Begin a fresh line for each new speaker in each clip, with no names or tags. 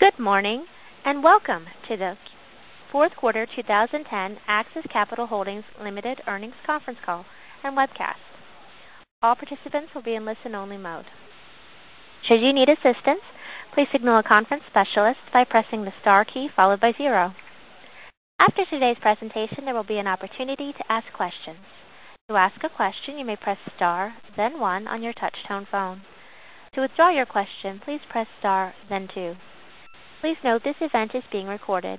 Good morning, welcome to the fourth quarter 2010 AXIS Capital Holdings Limited earnings conference call and webcast. All participants will be in listen only mode. Should you need assistance, please signal a conference specialist by pressing the star key followed by zero. After today's presentation, there will be an opportunity to ask questions. To ask a question, you may press star then one on your touch tone phone. To withdraw your question, please press star then two. Please note this event is being recorded.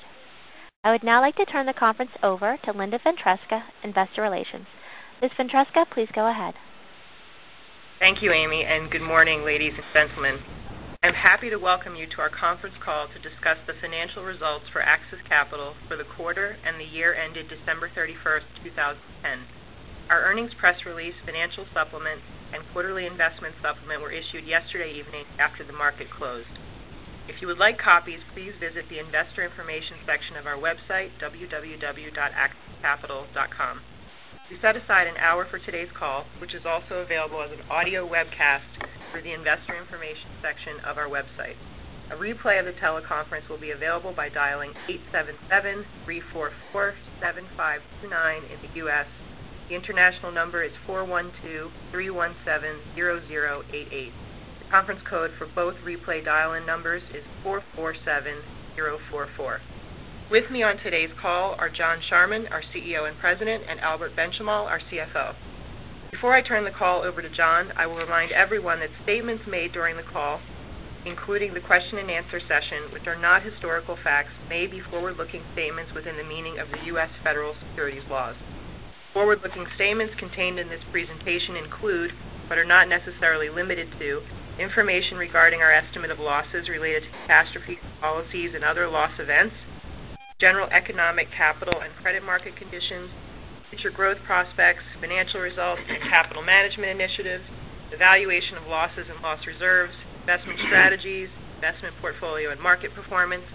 I would now like to turn the conference over to Linda Ventresca, Investor Relations. Ms. Ventresca, please go ahead.
Thank you, Amy, good morning, ladies and gentlemen. I'm happy to welcome you to our conference call to discuss the financial results for AXIS Capital for the quarter and the year ended December 31st, 2010. Our earnings press release, financial supplement, and quarterly investment supplement were issued yesterday evening after the market closed. If you would like copies, please visit the investor information section of our website, www.axiscapital.com. We set aside an hour for today's call, which is also available as an audio webcast through the investor information section of our website. A replay of the teleconference will be available by dialing 877-344-7529 in the U.S. The international number is 412-317-0088. The conference code for both replay dial-in numbers is 447044. With me on today's call are John Charman, our CEO and President, and Albert Benchimol, our CFO. Before I turn the call over to John, I will remind everyone that statements made during the call, including the question and answer session, which are not historical facts may be forward-looking statements within the meaning of the U.S. federal securities laws. Forward-looking statements contained in this presentation include, but are not necessarily limited to, information regarding our estimate of losses related to catastrophe policies and other loss events, general economic capital and credit market conditions, future growth prospects, financial results, and capital management initiatives, the valuation of losses and loss reserves, investment strategies, investment portfolio and market performance,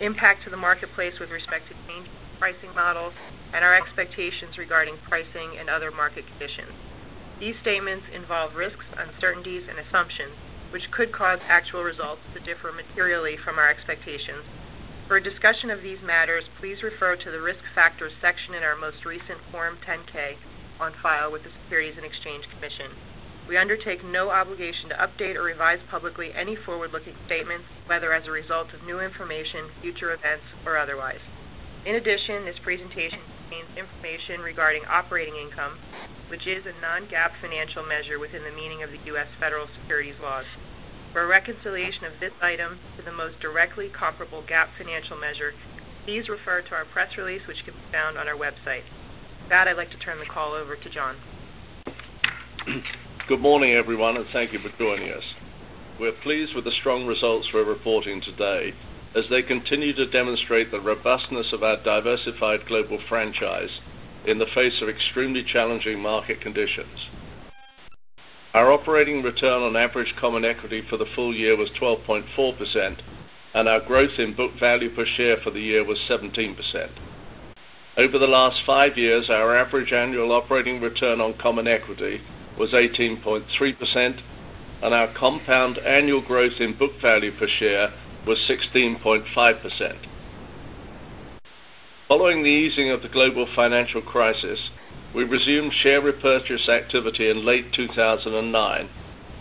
impact to the marketplace with respect to changing pricing models, and our expectations regarding pricing and other market conditions. These statements involve risks, uncertainties, and assumptions, which could cause actual results to differ materially from our expectations. For a discussion of these matters, please refer to the risk factors section in our most recent Form 10-K on file with the Securities and Exchange Commission. We undertake no obligation to update or revise publicly any forward-looking statements, whether as a result of new information, future events, or otherwise. In addition, this presentation contains information regarding operating income, which is a non-GAAP financial measure within the meaning of the U.S. federal securities laws. For a reconciliation of this item to the most directly comparable GAAP financial measure, please refer to our press release, which can be found on our website. With that, I'd like to turn the call over to John.
Good morning, everyone, and thank you for joining us. We're pleased with the strong results we're reporting today as they continue to demonstrate the robustness of our diversified global franchise in the face of extremely challenging market conditions. Our operating return on average common equity for the full year was 12.4%, and our growth in book value per share for the year was 17%. Over the last five years, our average annual operating return on common equity was 18.3%, and our compound annual growth in book value per share was 16.5%. Following the easing of the global financial crisis, we resumed share repurchase activity in late 2009,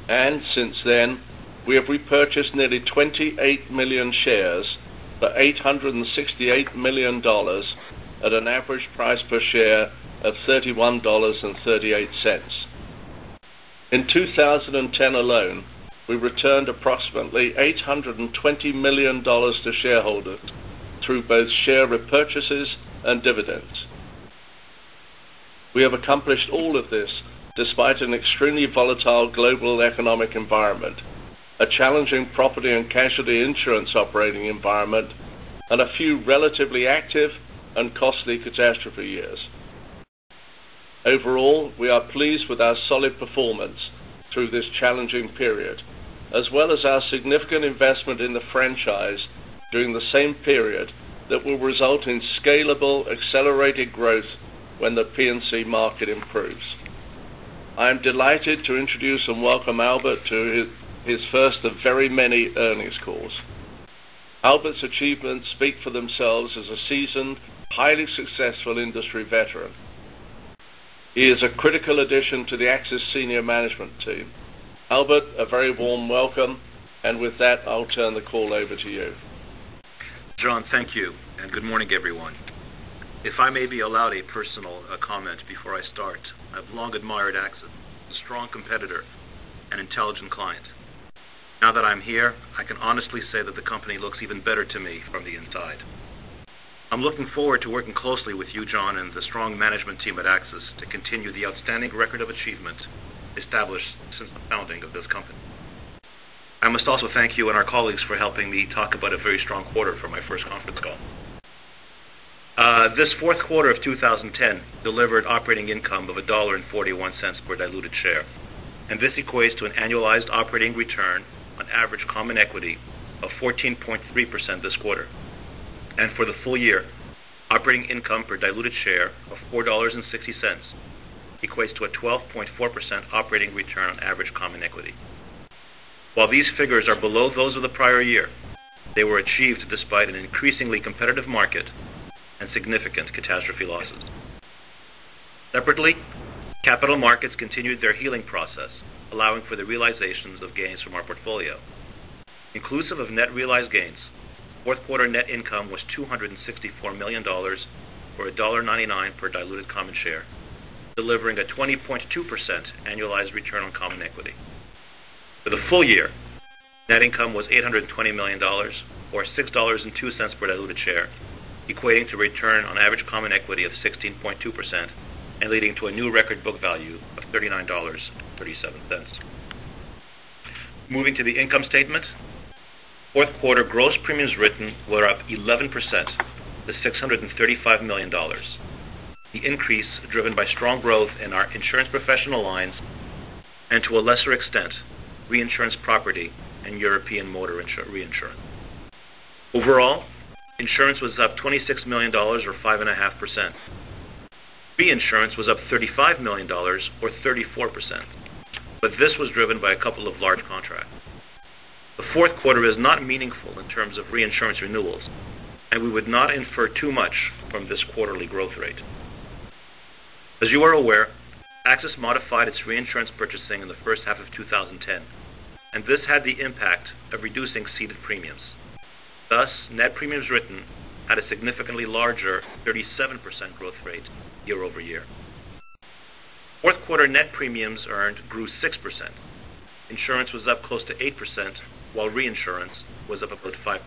and since then, we have repurchased nearly 28 million shares for $868 million at an average price per share of $31.38. In 2010 alone, we returned approximately $820 million to shareholders through both share repurchases and dividends. We have accomplished all of this despite an extremely volatile global economic environment, a challenging property and casualty insurance operating environment, and a few relatively active and costly catastrophe years. Overall, we are pleased with our solid performance through this challenging period as well as our significant investment in the franchise during the same period that will result in scalable, accelerated growth when the P&C market improves. I am delighted to introduce and welcome Albert to his first of very many earnings calls. Albert's achievements speak for themselves as a seasoned, highly successful industry veteran. He is a critical addition to the AXIS senior management team. Albert, a very warm welcome, and with that, I'll turn the call over to you.
John, thank you, and good morning, everyone. If I may be allowed a personal comment before I start. I've long admired AXIS, a strong competitor, an intelligent client. Now that I'm here, I can honestly say that the company looks even better to me from the inside. I'm looking forward to working closely with you, John, and the strong management team at AXIS to continue the outstanding record of achievement established since the founding of this company. I must also thank you and our colleagues for helping me talk about a very strong quarter for my first conference call. This fourth quarter of 2010 delivered operating income of $1.41 per diluted share. This equates to an annualized operating return on average common equity of 14.3% this quarter. For the full year, operating income per diluted share of $4.60 equates to a 12.4% operating return on average common equity. While these figures are below those of the prior year, they were achieved despite an increasingly competitive market and significant catastrophe losses. Separately, capital markets continued their healing process, allowing for the realizations of gains from our portfolio. Inclusive of net realized gains, fourth quarter net income was $264 million, or $1.99 per diluted common share, delivering a 20.2% annualized return on common equity. For the full year, net income was $820 million, or $6.02 per diluted share, equating to return on average common equity of 16.2% and leading to a new record book value of $39.37. Moving to the income statement, fourth quarter gross premiums written were up 11% to $635 million. The increase driven by strong growth in our insurance professional lines and, to a lesser extent, reinsurance property and European motor reinsurance. Overall, insurance was up $26 million, or 5.5%. Reinsurance was up $35 million, or 34%. This was driven by a couple of large contracts. The fourth quarter is not meaningful in terms of reinsurance renewals, and we would not infer too much from this quarterly growth rate. As you are aware, AXIS modified its reinsurance purchasing in the first half of 2010. This had the impact of reducing ceded premiums. Thus, net premiums written had a significantly larger 37% growth rate year-over-year. Fourth quarter net premiums earned grew 6%. Insurance was up close to 8%, while reinsurance was up about 5%.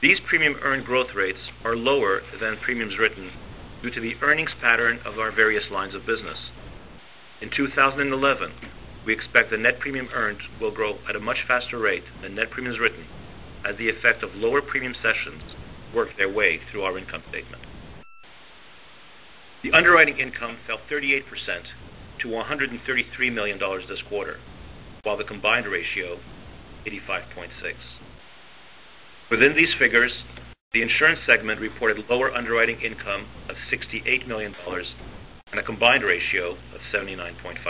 These premium earned growth rates are lower than premiums written due to the earnings pattern of our various lines of business. In 2011, we expect the net premium earned will grow at a much faster rate than net premiums written as the effect of lower premium sessions work their way through our income statement. The underwriting income fell 38% to $133 million this quarter, while the combined ratio 85.6%. Within these figures, the insurance segment reported lower underwriting income of $68 million and a combined ratio of 79.5%.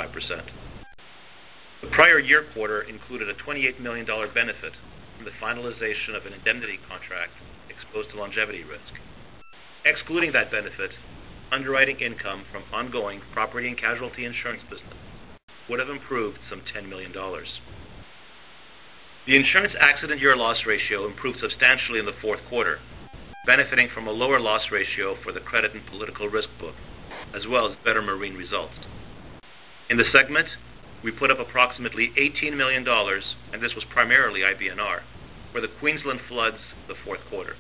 The prior year quarter included a $28 million benefit from the finalization of an indemnity contract exposed to longevity risk. Excluding that benefit, underwriting income from ongoing property and casualty insurance business would have improved some $10 million. The insurance accident year loss ratio improved substantially in the fourth quarter, benefiting from a lower loss ratio for the credit and political risk book, as well as better marine results. In the segment, we put up approximately $18 million. This was primarily IBNR for the Queensland floods the fourth quarter.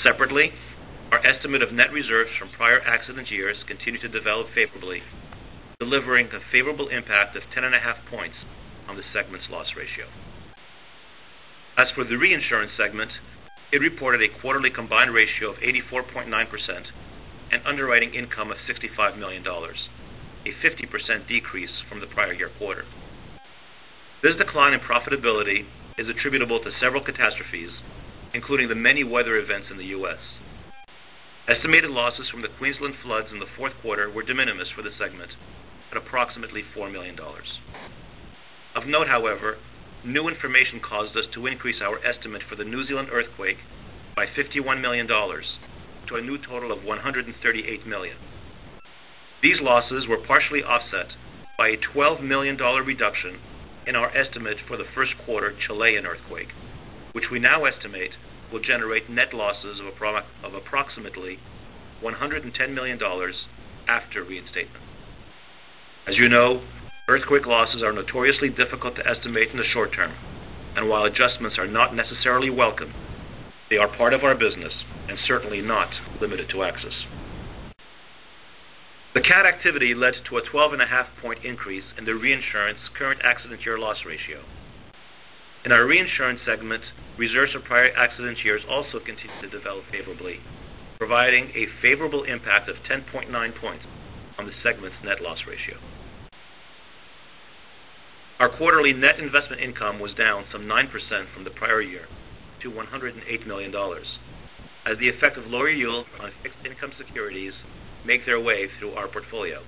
Separately, our estimate of net reserves from prior accident years continued to develop favorably, delivering a favorable impact of 10.5 points on the segment's loss ratio. As for the reinsurance segment, it reported a quarterly combined ratio of 84.9% and underwriting income of $65 million, a 50% decrease from the prior year quarter. This decline in profitability is attributable to several catastrophes, including the many weather events in the U.S. Estimated losses from the Queensland floods in the fourth quarter were de minimis for the segment at approximately $4 million. Of note, however, new information caused us to increase our estimate for the New Zealand earthquake by $51 million to a new total of $138 million. These losses were partially offset by a $12 million reduction in our estimate for the first quarter Chilean earthquake, which we now estimate will generate net losses of approximately $110 million after reinstatement. As you know, earthquake losses are notoriously difficult to estimate in the short term. While adjustments are not necessarily welcome, they are part of our business and certainly not limited to AXIS. The cat activity led to a 12.5 point increase in the reinsurance current accident year loss ratio. In our reinsurance segment, reserves for prior accident years also continued to develop favorably, providing a favorable impact of 10.9 points on the segment's net loss ratio. Our quarterly net investment income was down some 9% from the prior year to $108 million as the effect of lower yield on fixed income securities make their way through our portfolio.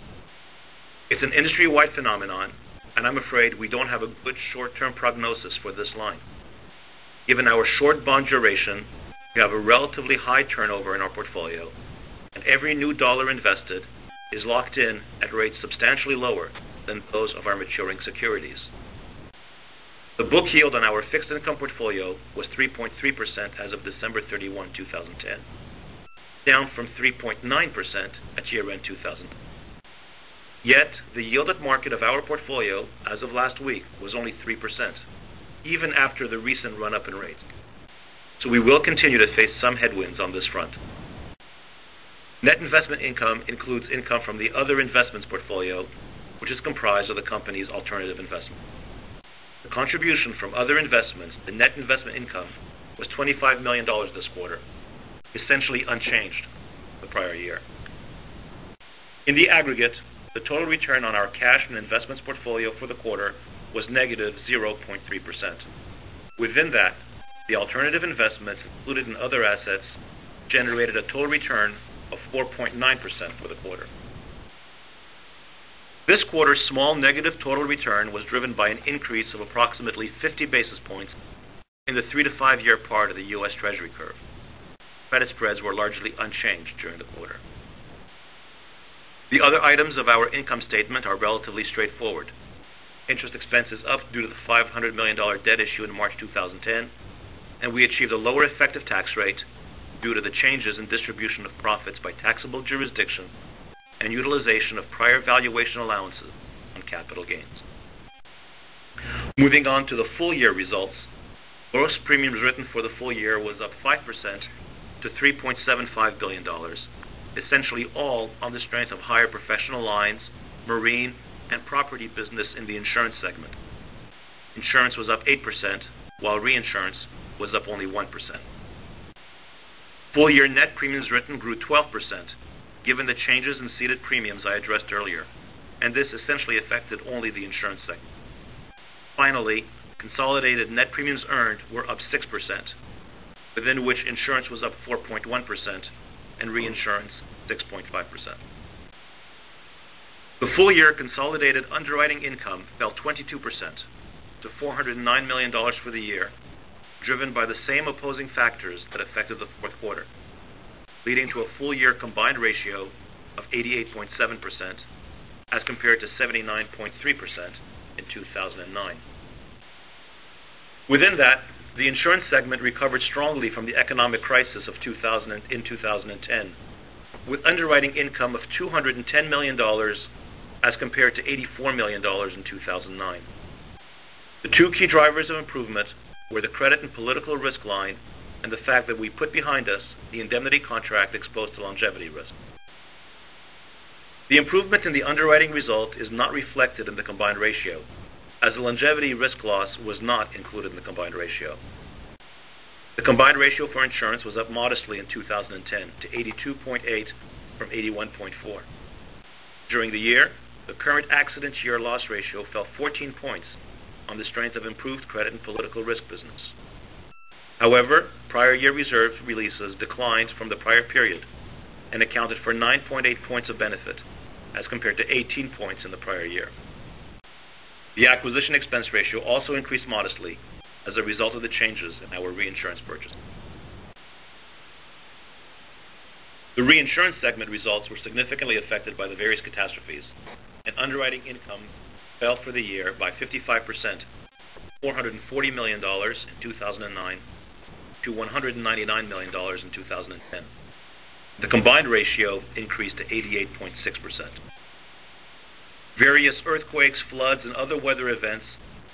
I'm afraid we don't have a good short-term prognosis for this line. Given our short bond duration, we have a relatively high turnover in our portfolio, and every new dollar invested is locked in at rates substantially lower than those of our maturing securities. The book yield on our fixed income portfolio was 3.3% as of December 31, 2010, down from 3.9% at year-end 2009. The yielded market of our portfolio as of last week was only 3%, even after the recent run-up in rates. We will continue to face some headwinds on this front. Net investment income includes income from the other investments portfolio, which is comprised of the company's alternative investment. The contribution from other investments to net investment income was $25 million this quarter, essentially unchanged from the prior year. In the aggregate, the total return on our cash and investments portfolio for the quarter was negative 0.3%. Within that, the alternative investments included in other assets generated a total return of 4.9% for the quarter. This quarter's small negative total return was driven by an increase of approximately 50 basis points in the three- to five-year part of the US Treasury curve. Credit spreads were largely unchanged during the quarter. The other items of our income statement are relatively straightforward. Interest expense is up due to the $500 million debt issue in March 2010, and we achieved a lower effective tax rate due to the changes in distribution of profits by taxable jurisdiction and utilization of prior valuation allowances on capital gains. Moving on to the full year results, gross premiums written for the full year was up 5% to $3.75 billion, essentially all on the strength of higher professional lines, marine, and property business in the insurance segment. Insurance was up 8%, while reinsurance was up only 1%. Full-year net premiums written grew 12%, given the changes in ceded premiums I addressed earlier, and this essentially affected only the insurance segment. Finally, consolidated net premiums earned were up 6%, within which insurance was up 4.1% and reinsurance 6.5%. The full-year consolidated underwriting income fell 22% to $409 million for the year, driven by the same opposing factors that affected the fourth quarter, leading to a full-year combined ratio of 88.7% as compared to 79.3% in 2009. Within that, the insurance segment recovered strongly from the economic crisis in 2010, with underwriting income of $210 million as compared to $84 million in 2009. The two key drivers of improvement were the credit and political risk line and the fact that we put behind us the indemnity contract exposed to longevity risk. The improvement in the underwriting result is not reflected in the combined ratio, as the longevity risk loss was not included in the combined ratio. The combined ratio for insurance was up modestly in 2010 to 82.8 from 81.4. During the year, the current accident year loss ratio fell 14 points on the strength of improved credit and political risk business. Prior year reserve releases declined from the prior period and accounted for 9.8 points of benefit as compared to 18 points in the prior year. The acquisition expense ratio also increased modestly as a result of the changes in our reinsurance purchasing. The reinsurance segment results were significantly affected by the various catastrophes. Underwriting income fell for the year by 55% from $440 million in 2009 to $199 million in 2010. The combined ratio increased to 88.6%. Various earthquakes, floods, and other weather events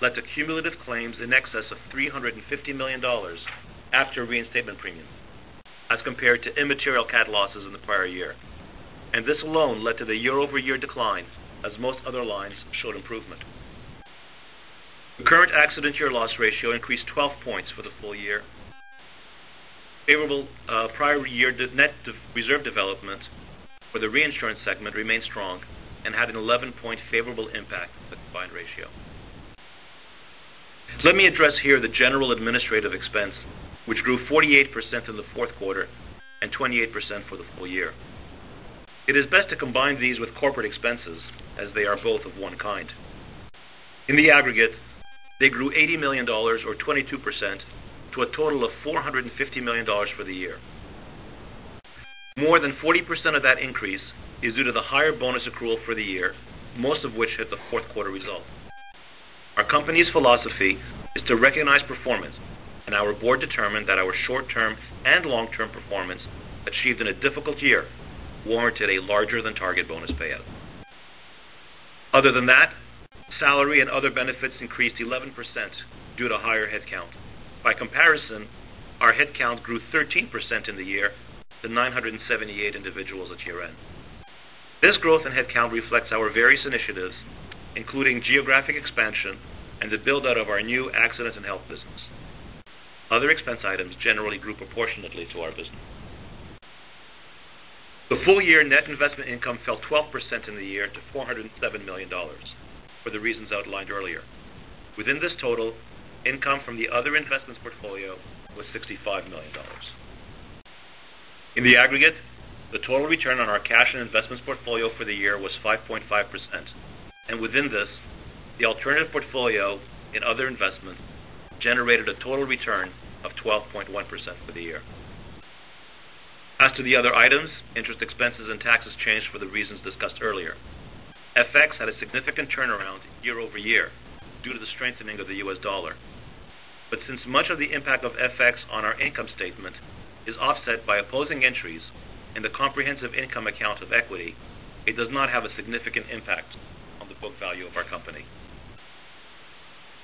led to cumulative claims in excess of $350 million after reinstatement premium, as compared to immaterial cat losses in the prior year. This alone led to the year-over-year decline, as most other lines showed improvement. The current accident year loss ratio increased 12 points for the full year. Favorable prior year net reserve developments for the reinsurance segment remained strong and had an 11-point favorable impact on the combined ratio. Let me address here the general administrative expense, which grew 48% in the fourth quarter and 28% for the full year. It is best to combine these with corporate expenses as they are both of one kind. In the aggregate, they grew $80 million or 22% to a total of $450 million for the year. More than 40% of that increase is due to the higher bonus accrual for the year, most of which hit the fourth quarter result. Our company's philosophy is to recognize performance. Our board determined that our short-term and long-term performance achieved in a difficult year warranted a larger than target bonus payout. Other than that, salary and other benefits increased 11% due to higher headcount. By comparison, our headcount grew 13% in the year to 978 individuals at year-end. This growth in headcount reflects our various initiatives, including geographic expansion and the build-out of our new accident and health business. Other expense items generally grew proportionately to our business. The full-year net investment income fell 12% in the year to $407 million for the reasons outlined earlier. Within this total, income from the other investments portfolio was $65 million. In the aggregate, the total return on our cash and investments portfolio for the year was 5.5%. Within this, the alternative portfolio in other investments generated a total return of 12.1% for the year. As to the other items, interest expenses and taxes changed for the reasons discussed earlier. FX had a significant turnaround year-over-year due to the strengthening of the US dollar. Since much of the impact of FX on our income statement is offset by opposing entries in the comprehensive income account of equity, it does not have a significant impact on the book value of our company.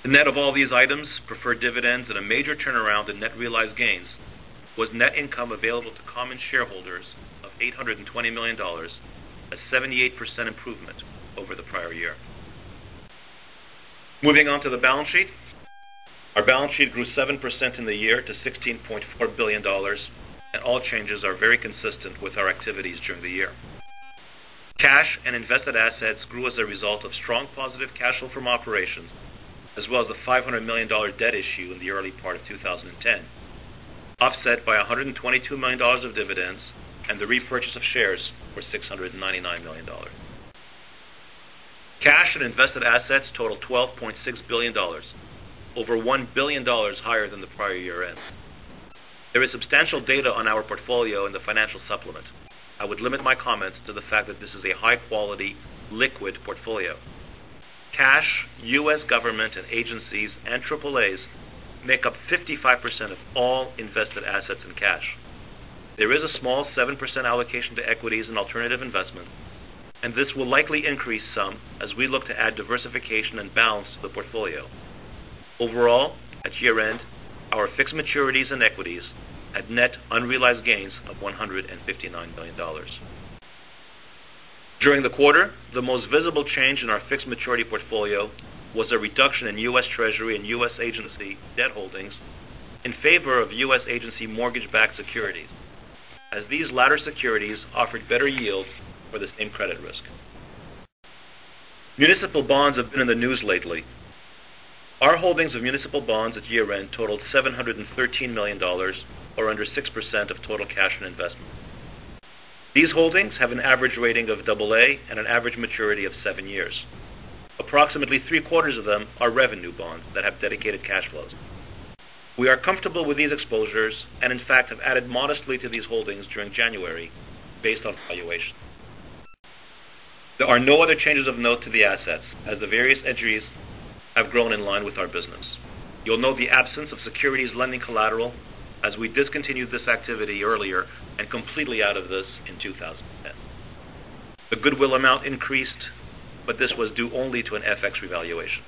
The net of all these items, preferred dividends, a major turnaround in net realized gains was net income available to common shareholders of $820 million, a 78% improvement over the prior year. Moving on to the balance sheet. Our balance sheet grew 7% in the year to $16.4 Changes are very consistent with our activities during the year. Cash and invested assets grew as a result of strong positive cash flow from operations, as well as the $500 million debt issue in the early part of 2010, offset by $122 million of dividends and the repurchase of shares for $699 million. Cash and invested assets totaled $12.6 billion, over $1 billion higher than the prior year-end. There is substantial data on our portfolio in the financial supplement. I would limit my comments to the fact that this is a high-quality, liquid portfolio. Cash, U.S. government and agencies, and AAAs make up 55% of all invested assets in cash. There is a small 7% allocation to equities and alternative investment, and this will likely increase some as we look to add diversification and balance to the portfolio. Overall, at year-end, our fixed maturities and equities had net unrealized gains of $159 million. During the quarter, the most visible change in our fixed maturity portfolio was a reduction in U.S. Treasury and U.S. agency debt holdings in favor of U.S. agency mortgage-backed securities, as these latter securities offered better yields for the same credit risk. Municipal bonds have been in the news lately. Our holdings of municipal bonds at year-end totaled $713 million, or under 6% of total cash and investments. These holdings have an average rating of AA and an average maturity of seven years. Approximately three-quarters of them are revenue bonds that have dedicated cash flows. We are comfortable with these exposures and, in fact, have added modestly to these holdings during January based on valuation. There are no other changes of note to the assets, as the various entries have grown in line with our business. You'll note the absence of securities lending collateral as we discontinued this activity earlier and completely out of this in 2010. This was due only to an FX revaluation.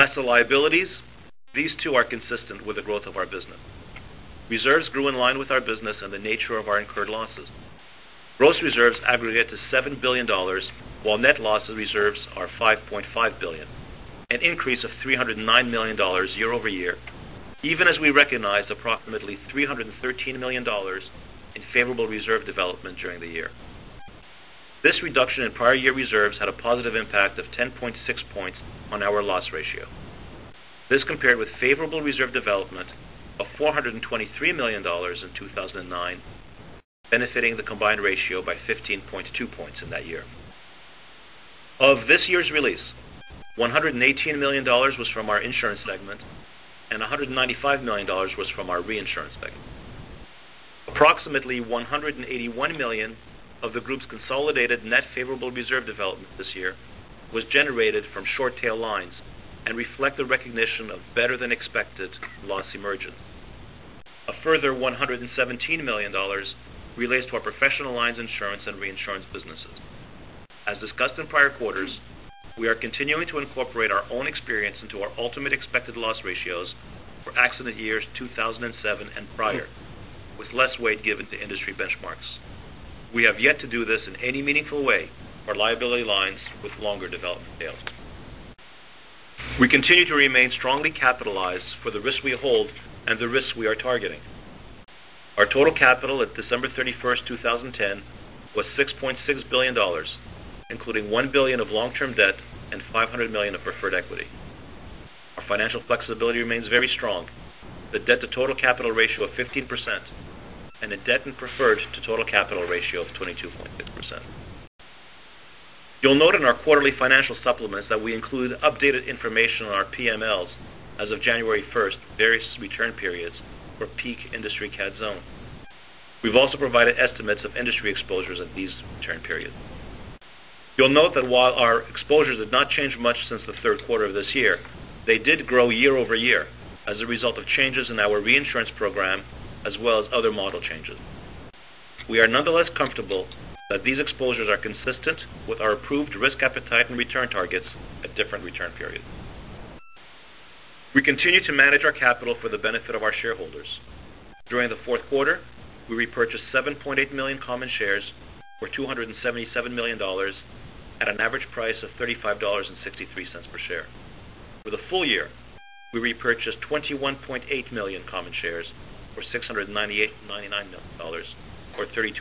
As to liabilities, these too are consistent with the growth of our business. Reserves grew in line with our business and the nature of our incurred losses. Gross reserves aggregate to $7 billion, while net loss reserves are $5.5 billion, an increase of $309 million year-over-year, even as we recognized approximately $313 million in favorable reserve development during the year. This reduction in prior year reserves had a positive impact of 10.6 points on our loss ratio. This compared with favorable reserve development of $423 million in 2009, benefiting the combined ratio by 15.2 points in that year. Of this year's release, $118 million was from our insurance segment and $195 million was from our reinsurance segment. Approximately $181 million of the group's consolidated net favorable reserve development this year was generated from short tail lines and reflect the recognition of better-than-expected loss emergence. A further $117 million relates to our professional lines insurance and reinsurance businesses. As discussed in prior quarters, we are continuing to incorporate our own experience into our ultimate expected loss ratios for accident years 2007 and prior, with less weight given to industry benchmarks. We have yet to do this in any meaningful way for liability lines with longer development tails. We continue to remain strongly capitalized for the risks we hold and the risks we are targeting. Our total capital at December 31st, 2010, was $6.6 billion, including $1 billion of long-term debt and $500 million of preferred equity. Our financial flexibility remains very strong, with a debt-to-total capital ratio of 15% and a debt and preferred to total capital ratio of 22.5%. You'll note in our quarterly financial supplements that we include updated information on our PMLs as of January 1st, various return periods for peak industry cat zone. We've also provided estimates of industry exposures at these return periods. You'll note that while our exposures have not changed much since the third quarter of this year, they did grow year-over-year as a result of changes in our reinsurance program as well as other model changes. We are nonetheless comfortable that these exposures are consistent with our approved risk appetite and return targets at different return periods. We continue to manage our capital for the benefit of our shareholders. During the fourth quarter, we repurchased 7.8 million common shares for $277 million at an average price of $35.63 per share. For the full year, we repurchased 21.8 million common shares for $699 million, or $32.02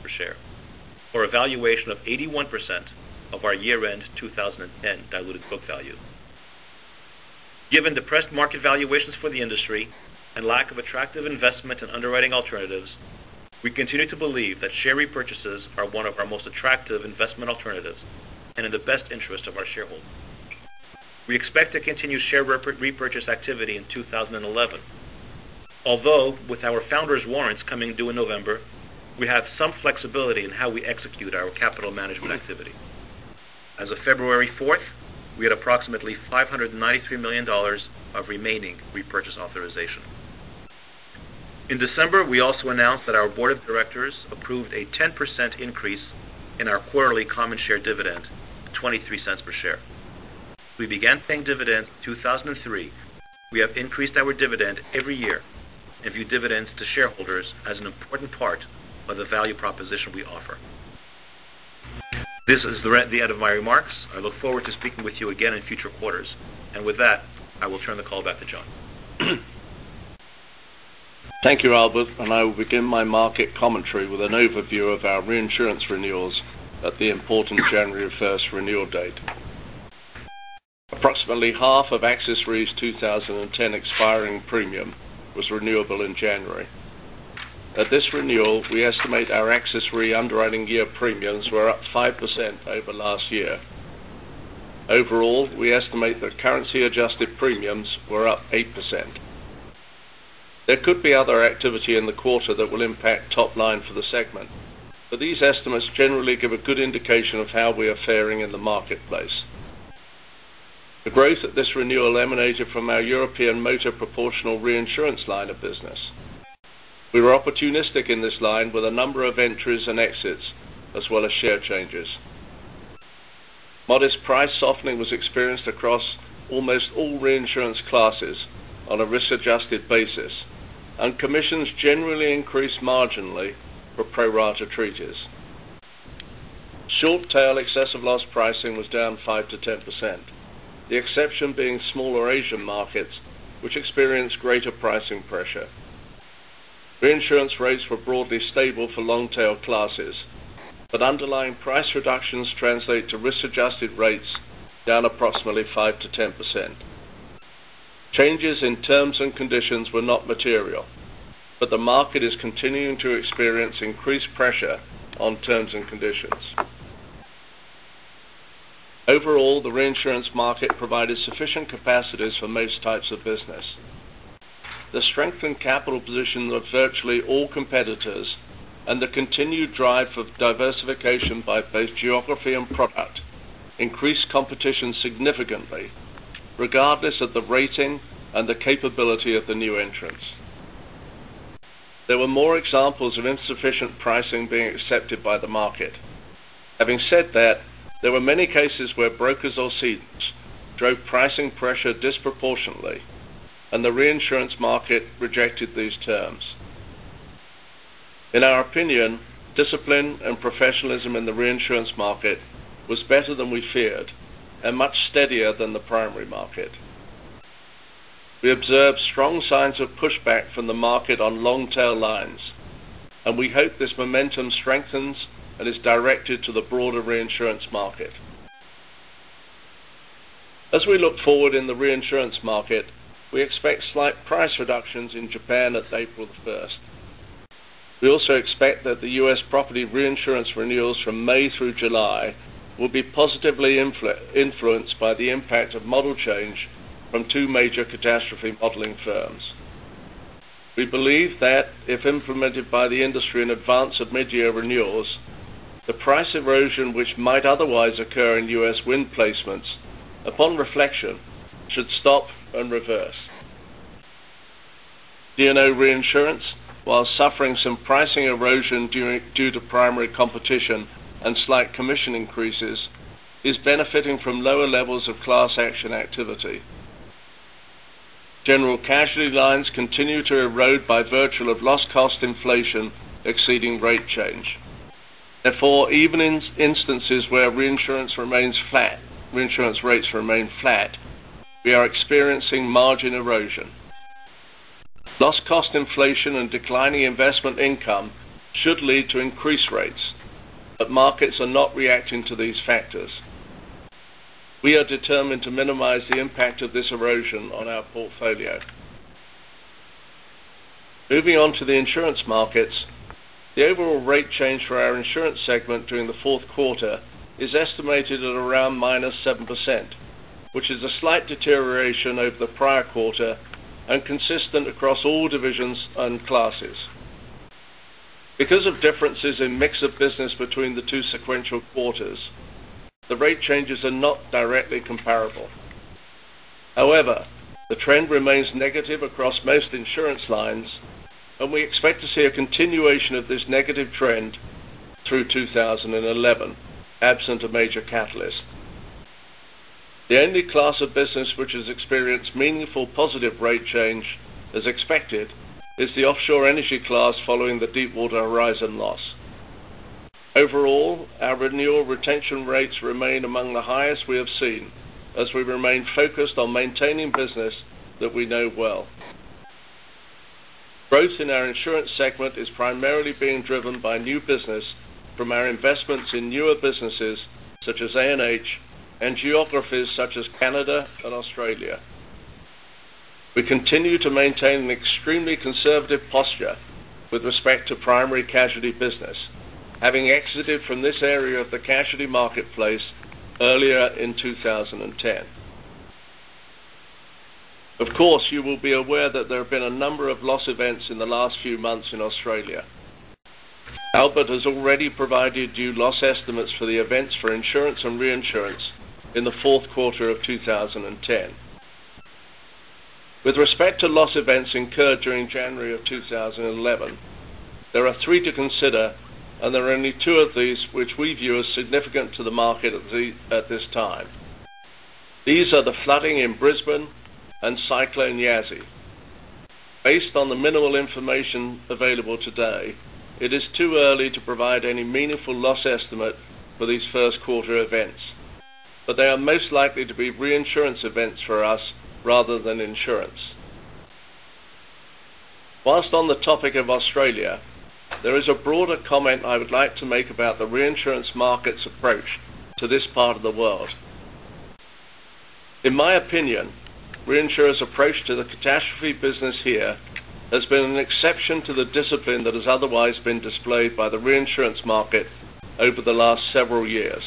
per share, for a valuation of 81% of our year-end 2010 diluted book value. Given depressed market valuations for the industry and lack of attractive investment and underwriting alternatives, we continue to believe that share repurchases are one of our most attractive investment alternatives and in the best interest of our shareholders. We expect to continue share repurchase activity in 2011. Although with our founder's warrants coming due in November, we have some flexibility in how we execute our capital management activity. As of February 4th, we had approximately $593 million of remaining repurchase authorization. In December, we also announced that our board of directors approved a 10% increase in our quarterly common share dividend to $0.23 per share. We began paying dividends in 2003. We have increased our dividend every year and view dividends to shareholders as an important part of the value proposition we offer. This is the end of my remarks. I look forward to speaking with you again in future quarters. With that, I will turn the call back to John.
Thank you, Albert, and I will begin my market commentary with an overview of our reinsurance renewals at the important January 1st renewal date. Approximately half of AXIS Re's 2010 expiring premium was renewable in January. At this renewal, we estimate our AXIS Re underwriting year premiums were up 5% over last year. Overall, we estimate that currency-adjusted premiums were up 8%. There could be other activity in the quarter that will impact top line for the segment, but these estimates generally give a good indication of how we are fairing in the marketplace. The growth of this renewal emanated from our European motor proportional reinsurance line of business. We were opportunistic in this line with a number of entries and exits, as well as share changes. Modest price softening was experienced across almost all reinsurance classes on a risk-adjusted basis, and commissions generally increased marginally for pro rata treaties. Short tail excessive loss pricing was down 5%-10%, the exception being smaller Asian markets, which experienced greater pricing pressure. Reinsurance rates were broadly stable for long-tail classes, but underlying price reductions translate to risk-adjusted rates down approximately 5%-10%. Changes in terms and conditions were not material, but the market is continuing to experience increased pressure on terms and conditions. Overall, the reinsurance market provided sufficient capacities for most types of business. The strengthened capital position of virtually all competitors and the continued drive for diversification by both geography and product increased competition significantly, regardless of the rating and the capability of the new entrants. There were more examples of insufficient pricing being accepted by the market. Having said that, there were many cases where brokers or cedents drove pricing pressure disproportionately, and the reinsurance market rejected these terms. In our opinion, discipline and professionalism in the reinsurance market was better than we feared and much steadier than the primary market. We observed strong signs of pushback from the market on long-tail lines, and we hope this momentum strengthens and is directed to the broader reinsurance market. As we look forward in the reinsurance market, we expect slight price reductions in Japan as of April 1st. We also expect that the U.S. property reinsurance renewals from May through July will be positively influenced by the impact of model change from two major catastrophe modeling firms. We believe that if implemented by the industry in advance of mid-year renewals, the price erosion, which might otherwise occur in U.S. wind placements, upon reflection, should stop and reverse. D&O reinsurance, while suffering some pricing erosion due to primary competition and slight commission increases, is benefiting from lower levels of class action activity. General casualty lines continue to erode by virtue of loss cost inflation exceeding rate change. Therefore, even in instances where reinsurance rates remain flat, we are experiencing margin erosion. Loss cost inflation and declining investment income should lead to increased rates, but markets are not reacting to these factors. We are determined to minimize the impact of this erosion on our portfolio. Moving on to the insurance markets, the overall rate change for our insurance segment during the fourth quarter is estimated at around -7%, which is a slight deterioration over the prior quarter and consistent across all divisions and classes. Because of differences in mix of business between the two sequential quarters, the rate changes are not directly comparable. However, the trend remains negative across most insurance lines, and we expect to see a continuation of this negative trend through 2011, absent a major catalyst. The only class of business which has experienced meaningful positive rate change, as expected, is the offshore energy class following the Deepwater Horizon loss. Overall, our renewal retention rates remain among the highest we have seen as we remain focused on maintaining business that we know well. Growth in our insurance segment is primarily being driven by new business from our investments in newer businesses such as A&H and geographies such as Canada and Australia. We continue to maintain an extremely conservative posture with respect to primary casualty business, having exited from this area of the casualty marketplace earlier in 2010. Of course, you will be aware that there have been a number of loss events in the last few months in Australia. Albert has already provided you loss estimates for the events for insurance and reinsurance in the fourth quarter of 2010. With respect to loss events incurred during January of 2011, there are three to consider, and there are only two of these which we view as significant to the market at this time. These are the flooding in Brisbane and Cyclone Yasi. On the minimal information available today, it is too early to provide any meaningful loss estimate for these first quarter events. They are most likely to be reinsurance events for us rather than insurance. While on the topic of Australia, there is a broader comment I would like to make about the reinsurance market's approach to this part of the world. In my opinion, reinsurers' approach to the catastrophe business here has been an exception to the discipline that has otherwise been displayed by the reinsurance market over the last several years.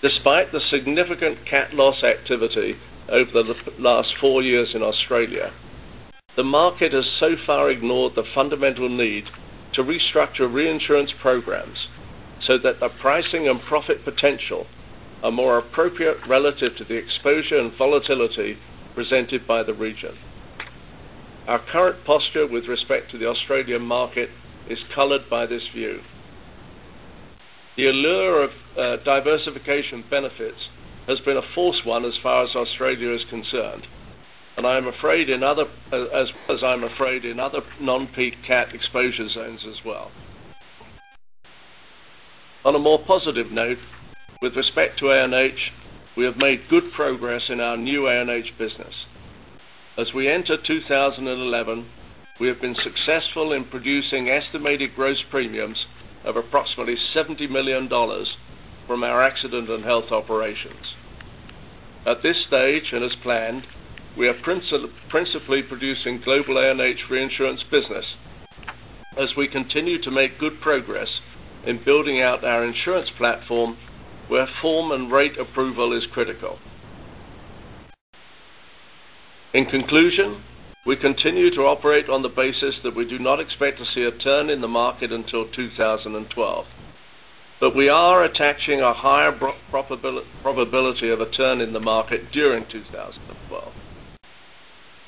Despite the significant cat loss activity over the last four years in Australia, the market has so far ignored the fundamental need to restructure reinsurance programs so that the pricing and profit potential are more appropriate relative to the exposure and volatility presented by the region. Our current posture with respect to the Australian market is colored by this view. The allure of diversification benefits has been a false one as far as Australia is concerned, and as I'm afraid in other non-peak cat exposure zones as well. On a more positive note, with respect to A&H, we have made good progress in our new A&H business. As we enter 2011, we have been successful in producing estimated gross premiums of approximately $70 million from our accident and health operations. At this stage, and as planned, we are principally producing global A&H reinsurance business as we continue to make good progress in building out our insurance platform where form and rate approval is critical. In conclusion, we continue to operate on the basis that we do not expect to see a turn in the market until 2012. We are attaching a higher probability of a turn in the market during 2012.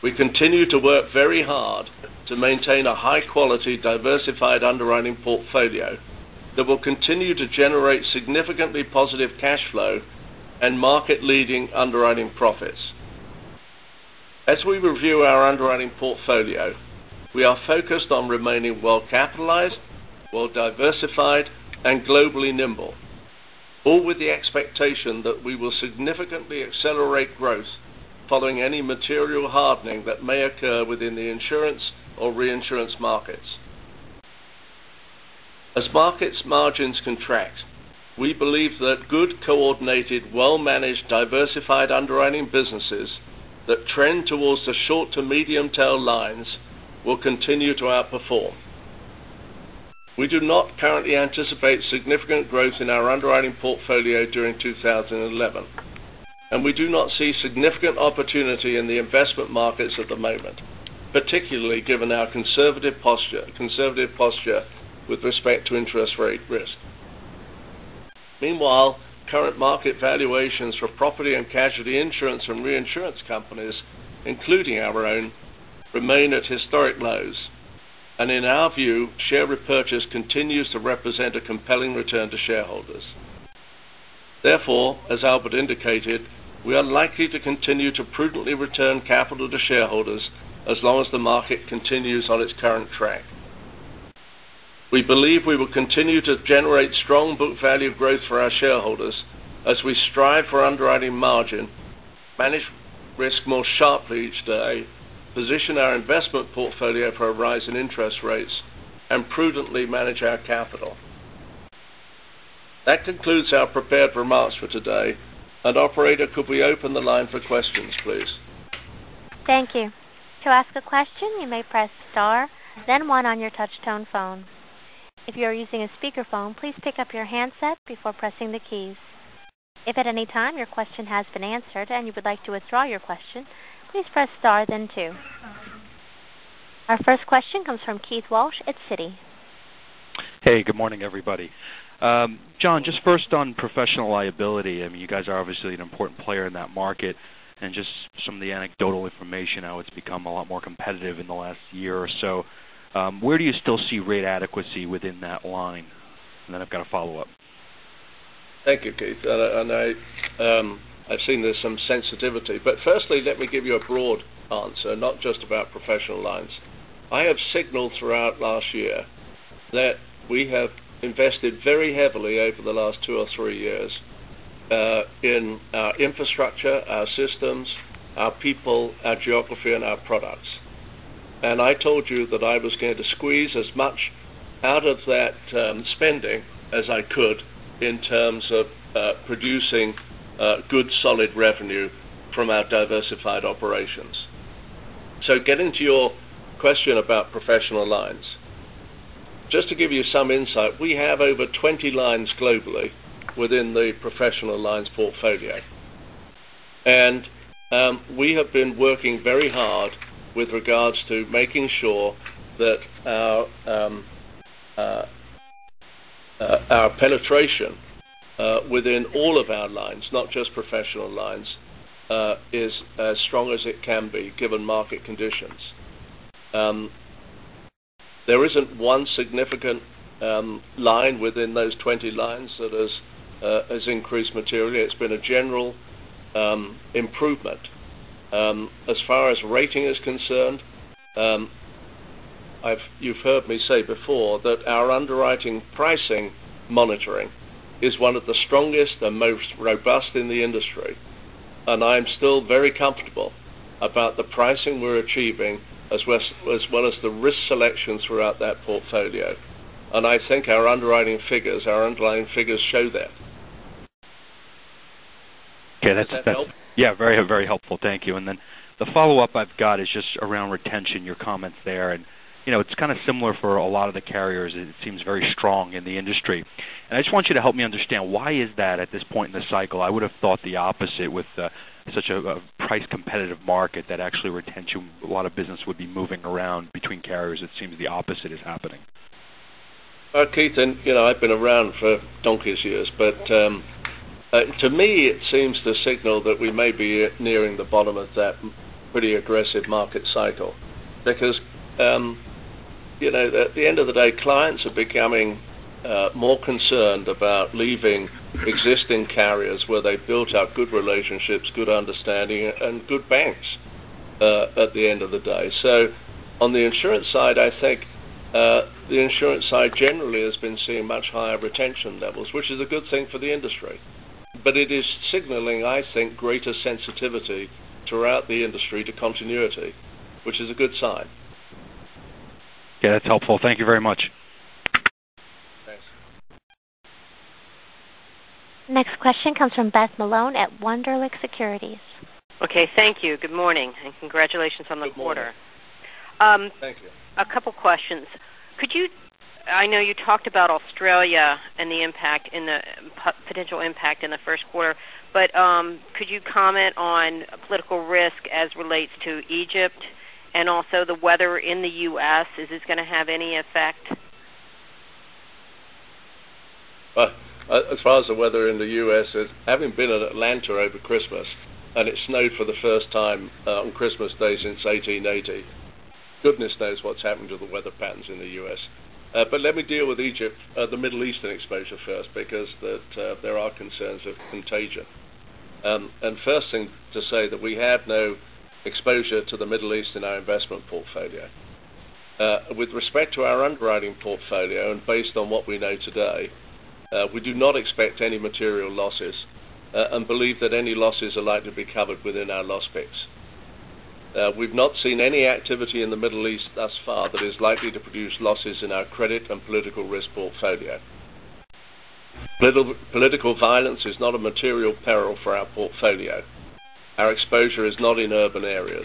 We continue to work very hard to maintain a high-quality, diversified underwriting portfolio that will continue to generate significantly positive cash flow and market-leading underwriting profits. As we review our underwriting portfolio, we are focused on remaining well-capitalized, well-diversified, and globally nimble, all with the expectation that we will significantly accelerate growth following any material hardening that may occur within the insurance or reinsurance markets. As markets margins contract, we believe that good, coordinated, well-managed, diversified underwriting businesses that trend towards the short to medium-tail lines will continue to outperform. We do not currently anticipate significant growth in our underwriting portfolio during 2011, and we do not see significant opportunity in the investment markets at the moment, particularly given our conservative posture with respect to interest rate risk. Meanwhile, current market valuations for property and casualty insurance and reinsurance companies, including our own, remain at historic lows. In our view, share repurchase continues to represent a compelling return to shareholders. Therefore, as Albert indicated, we are likely to continue to prudently return capital to shareholders as long as the market continues on its current track. We believe we will continue to generate strong book value growth for our shareholders as we strive for underwriting margin, manage risk more sharply each day, position our investment portfolio for a rise in interest rates, and prudently manage our capital. That concludes our prepared remarks for today. Operator, could we open the line for questions, please?
Thank you. To ask a question, you may press star, then one on your touch tone phone. If you are using a speakerphone, please pick up your handset before pressing the keys. If at any time your question has been answered and you would like to withdraw your question, please press star then two. Our first question comes from Keith Walsh at Citi.
Hey, good morning, everybody. John, just first on professional liability. You guys are obviously an important player in that market, and just some of the anecdotal information, how it's become a lot more competitive in the last year or so. Where do you still see rate adequacy within that line? Then I've got a follow-up.
Thank you, Keith. I've seen there's some sensitivity. Firstly, let me give you a broad answer, not just about professional lines. I have signaled throughout last year that we have invested very heavily over the last two or three years in our infrastructure, our systems, our people, our geography, and our products. I told you that I was going to squeeze as much out of that spending as I could in terms of producing good, solid revenue from our diversified operations. Getting to your question about professional lines. Just to give you some insight, we have over 20 lines globally within the professional lines portfolio. We have been working very hard with regards to making sure that our penetration within all of our lines, not just professional lines, is as strong as it can be given market conditions. There isn't one significant line within those 20 lines that has increased materially. It's been a general improvement. As far as rating is concerned, you've heard me say before that our underwriting pricing monitoring is one of the strongest and most robust in the industry, and I am still very comfortable about the pricing we're achieving, as well as the risk selection throughout that portfolio. I think our underlying figures show that.
Okay.
Does that help?
Yeah, very helpful. Thank you. Then the follow-up I've got is just around retention, your comments there. It's kind of similar for a lot of the carriers. It seems very strong in the industry. I just want you to help me understand why is that at this point in the cycle? I would have thought the opposite with such a price-competitive market that actually retention, a lot of business would be moving around between carriers. It seems the opposite is happening.
Well, Keith, I've been around for donkey's years, to me, it seems to signal that we may be nearing the bottom of that pretty aggressive market cycle because, at the end of the day, clients are becoming more concerned about leaving existing carriers where they've built up good relationships, good understanding, and good banks, at the end of the day. On the insurance side, I think, the insurance side generally has been seeing much higher retention levels, which is a good thing for the industry. It is signaling, I think, greater sensitivity throughout the industry to continuity, which is a good sign.
Yeah, that's helpful. Thank you very much.
Thanks.
Next question comes from Beth Malone at Wunderlich Securities.
Okay. Thank you. Good morning, congratulations on the quarter.
Good morning. Thank you.
A couple questions. I know you talked about Australia and the potential impact in the first quarter, but could you comment on political risk as relates to Egypt and also the weather in the U.S.? Is this going to have any effect?
As far as the weather in the U.S., having been in Atlanta over Christmas, and it snowed for the first time on Christmas Day since 1880, goodness knows what's happened to the weather patterns in the U.S. Let me deal with Egypt, the Middle Eastern exposure first because there are concerns of contagion. First thing to say that we have no exposure to the Middle East in our investment portfolio. With respect to our underwriting portfolio and based on what we know today, we do not expect any material losses, and believe that any losses are likely to be covered within our loss picks. We've not seen any activity in the Middle East thus far that is likely to produce losses in our credit and political risk portfolio. Political violence is not a material peril for our portfolio. Our exposure is not in urban areas.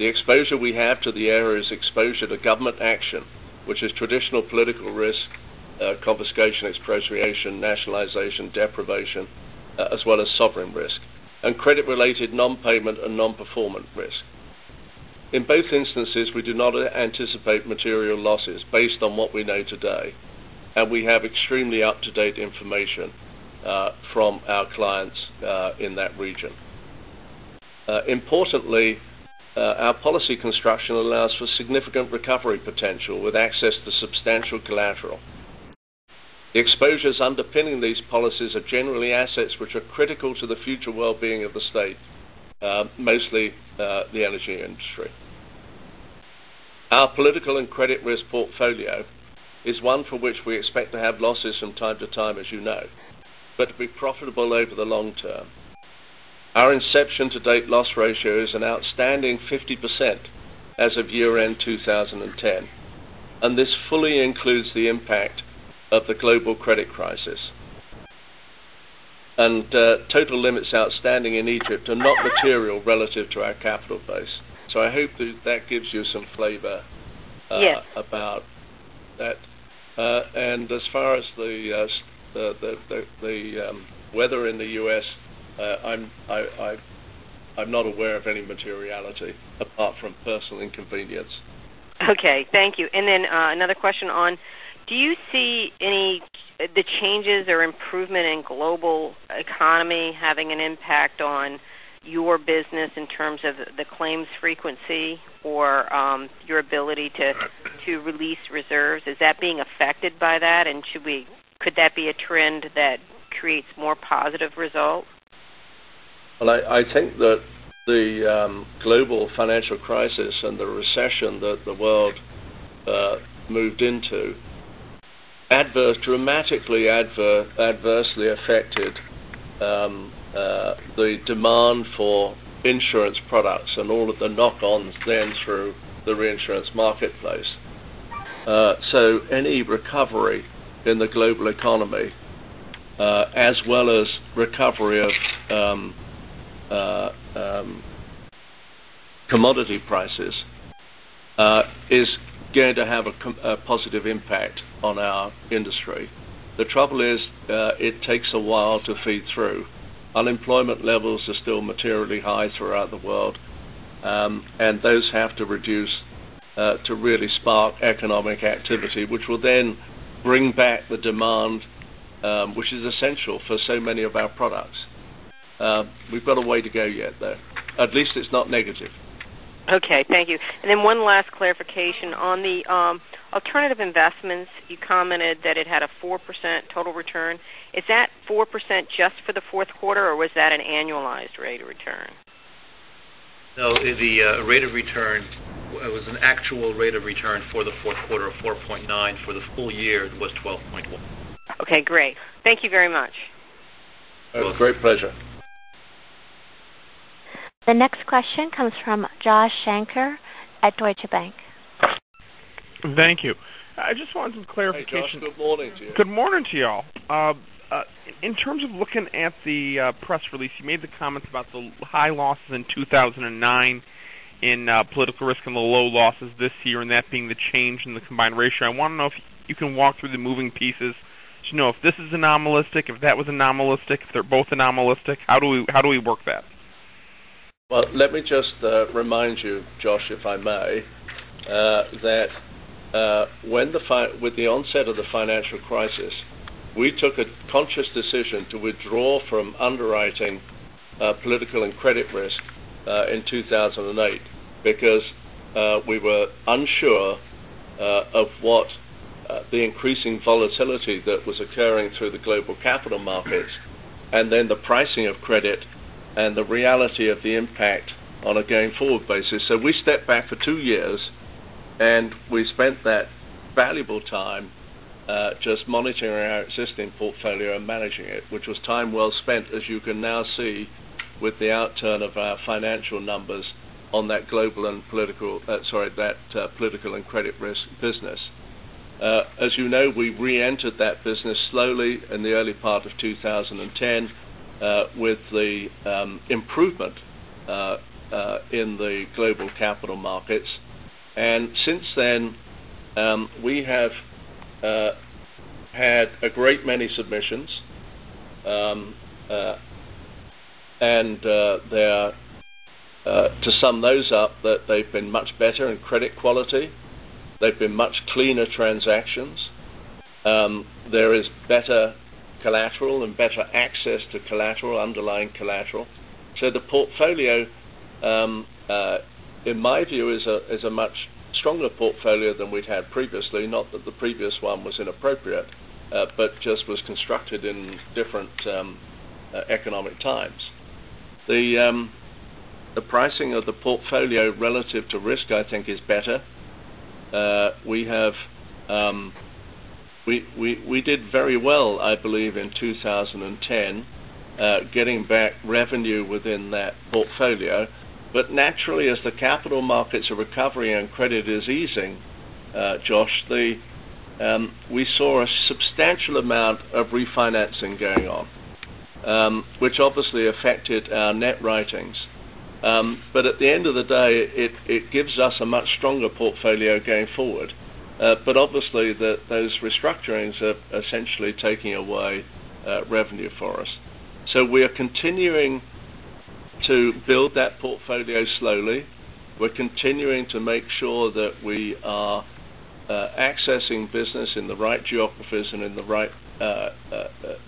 The exposure we have to the area is exposure to government action, which is traditional political risk, confiscation, expropriation, nationalization, deprivation, as well as sovereign risk, and credit-related non-payment and non-performance risk. In both instances, we do not anticipate material losses based on what we know today, and we have extremely up-to-date information from our clients in that region. Importantly, our policy construction allows for significant recovery potential with access to substantial collateral. The exposures underpinning these policies are generally assets which are critical to the future wellbeing of the state, mostly the energy industry. Our political and credit risk portfolio is one for which we expect to have losses from time to time, as you know, but to be profitable over the long term. Our inception to date loss ratio is an outstanding 50% as of year-end 2010, and this fully includes the impact of the global credit crisis. total limits outstanding in Egypt are not material relative to our capital base. I hope that gives you some flavor.
Yes
about that. As far as the weather in the U.S., I'm not aware of any materiality apart from personal inconvenience.
Okay. Thank you. Another question on, do you see the changes or improvement in global economy having an impact on your business in terms of the claims frequency or your ability to release reserves? Is that being affected by that, and could that be a trend that creates more positive results?
Well, I think that the Global Financial Crisis and the recession that the world moved into dramatically adversely affected the demand for insurance products and all of the knock-ons then through the reinsurance marketplace. Any recovery in the global economy, as well as recovery of commodity prices is going to have a positive impact on our industry. The trouble is it takes a while to feed through. Unemployment levels are still materially high throughout the world, and those have to reduce to really spark economic activity, which will then bring back the demand, which is essential for so many of our products. We've got a way to go yet there. At least it's not negative.
Okay. Thank you. Then one last clarification. On the alternative investments, you commented that it had a 4% total return. Is that 4% just for the fourth quarter, or was that an annualized rate of return?
No, it was an actual rate of return for the fourth quarter of 4.9%. For the full year, it was 12.1%.
Okay, great. Thank you very much.
It was a great pleasure.
The next question comes from Josh Shanker at Deutsche Bank.
Thank you. I just wanted some clarification.
Hey, Josh. Good morning to you.
Good morning to you all. In terms of looking at the press release, you made the comments about the high losses in 2009 in political risk and the low losses this year, and that being the change in the combined ratio. I want to know if you can walk through the moving pieces to know if this is anomalistic, if that was anomalistic, if they're both anomalistic. How do we work that?
Well, let me just remind you, Josh, if I may, that with the onset of the financial crisis, we took a conscious decision to withdraw from underwriting political and credit risk in 2008 because we were unsure of what the increasing volatility that was occurring through the global capital markets, and then the pricing of credit, and the reality of the impact on a going-forward basis. We stepped back for two years, and we spent that valuable time just monitoring our existing portfolio and managing it, which was time well spent, as you can now see with the outturn of our financial numbers on that political and credit risk business. As you know, we re-entered that business slowly in the early part of 2010 with the improvement in the global capital markets. Since then, we have had a great many submissions. To sum those up, they've been much better in credit quality. They've been much cleaner transactions. There is better collateral and better access to underlying collateral. The portfolio, in my view, is a much stronger portfolio than we'd had previously. Not that the previous one was inappropriate, but just was constructed in different economic times. The pricing of the portfolio relative to risk, I think is better. We did very well, I believe, in 2010 getting back revenue within that portfolio. Naturally, as the capital markets are recovering and credit is easing, Josh, we saw a substantial amount of refinancing going on, which obviously affected our net writings. At the end of the day, it gives us a much stronger portfolio going forward. Obviously those restructurings are essentially taking away revenue for us. We are continuing to build that portfolio slowly. We're continuing to make sure that we are accessing business in the right geographies and in the right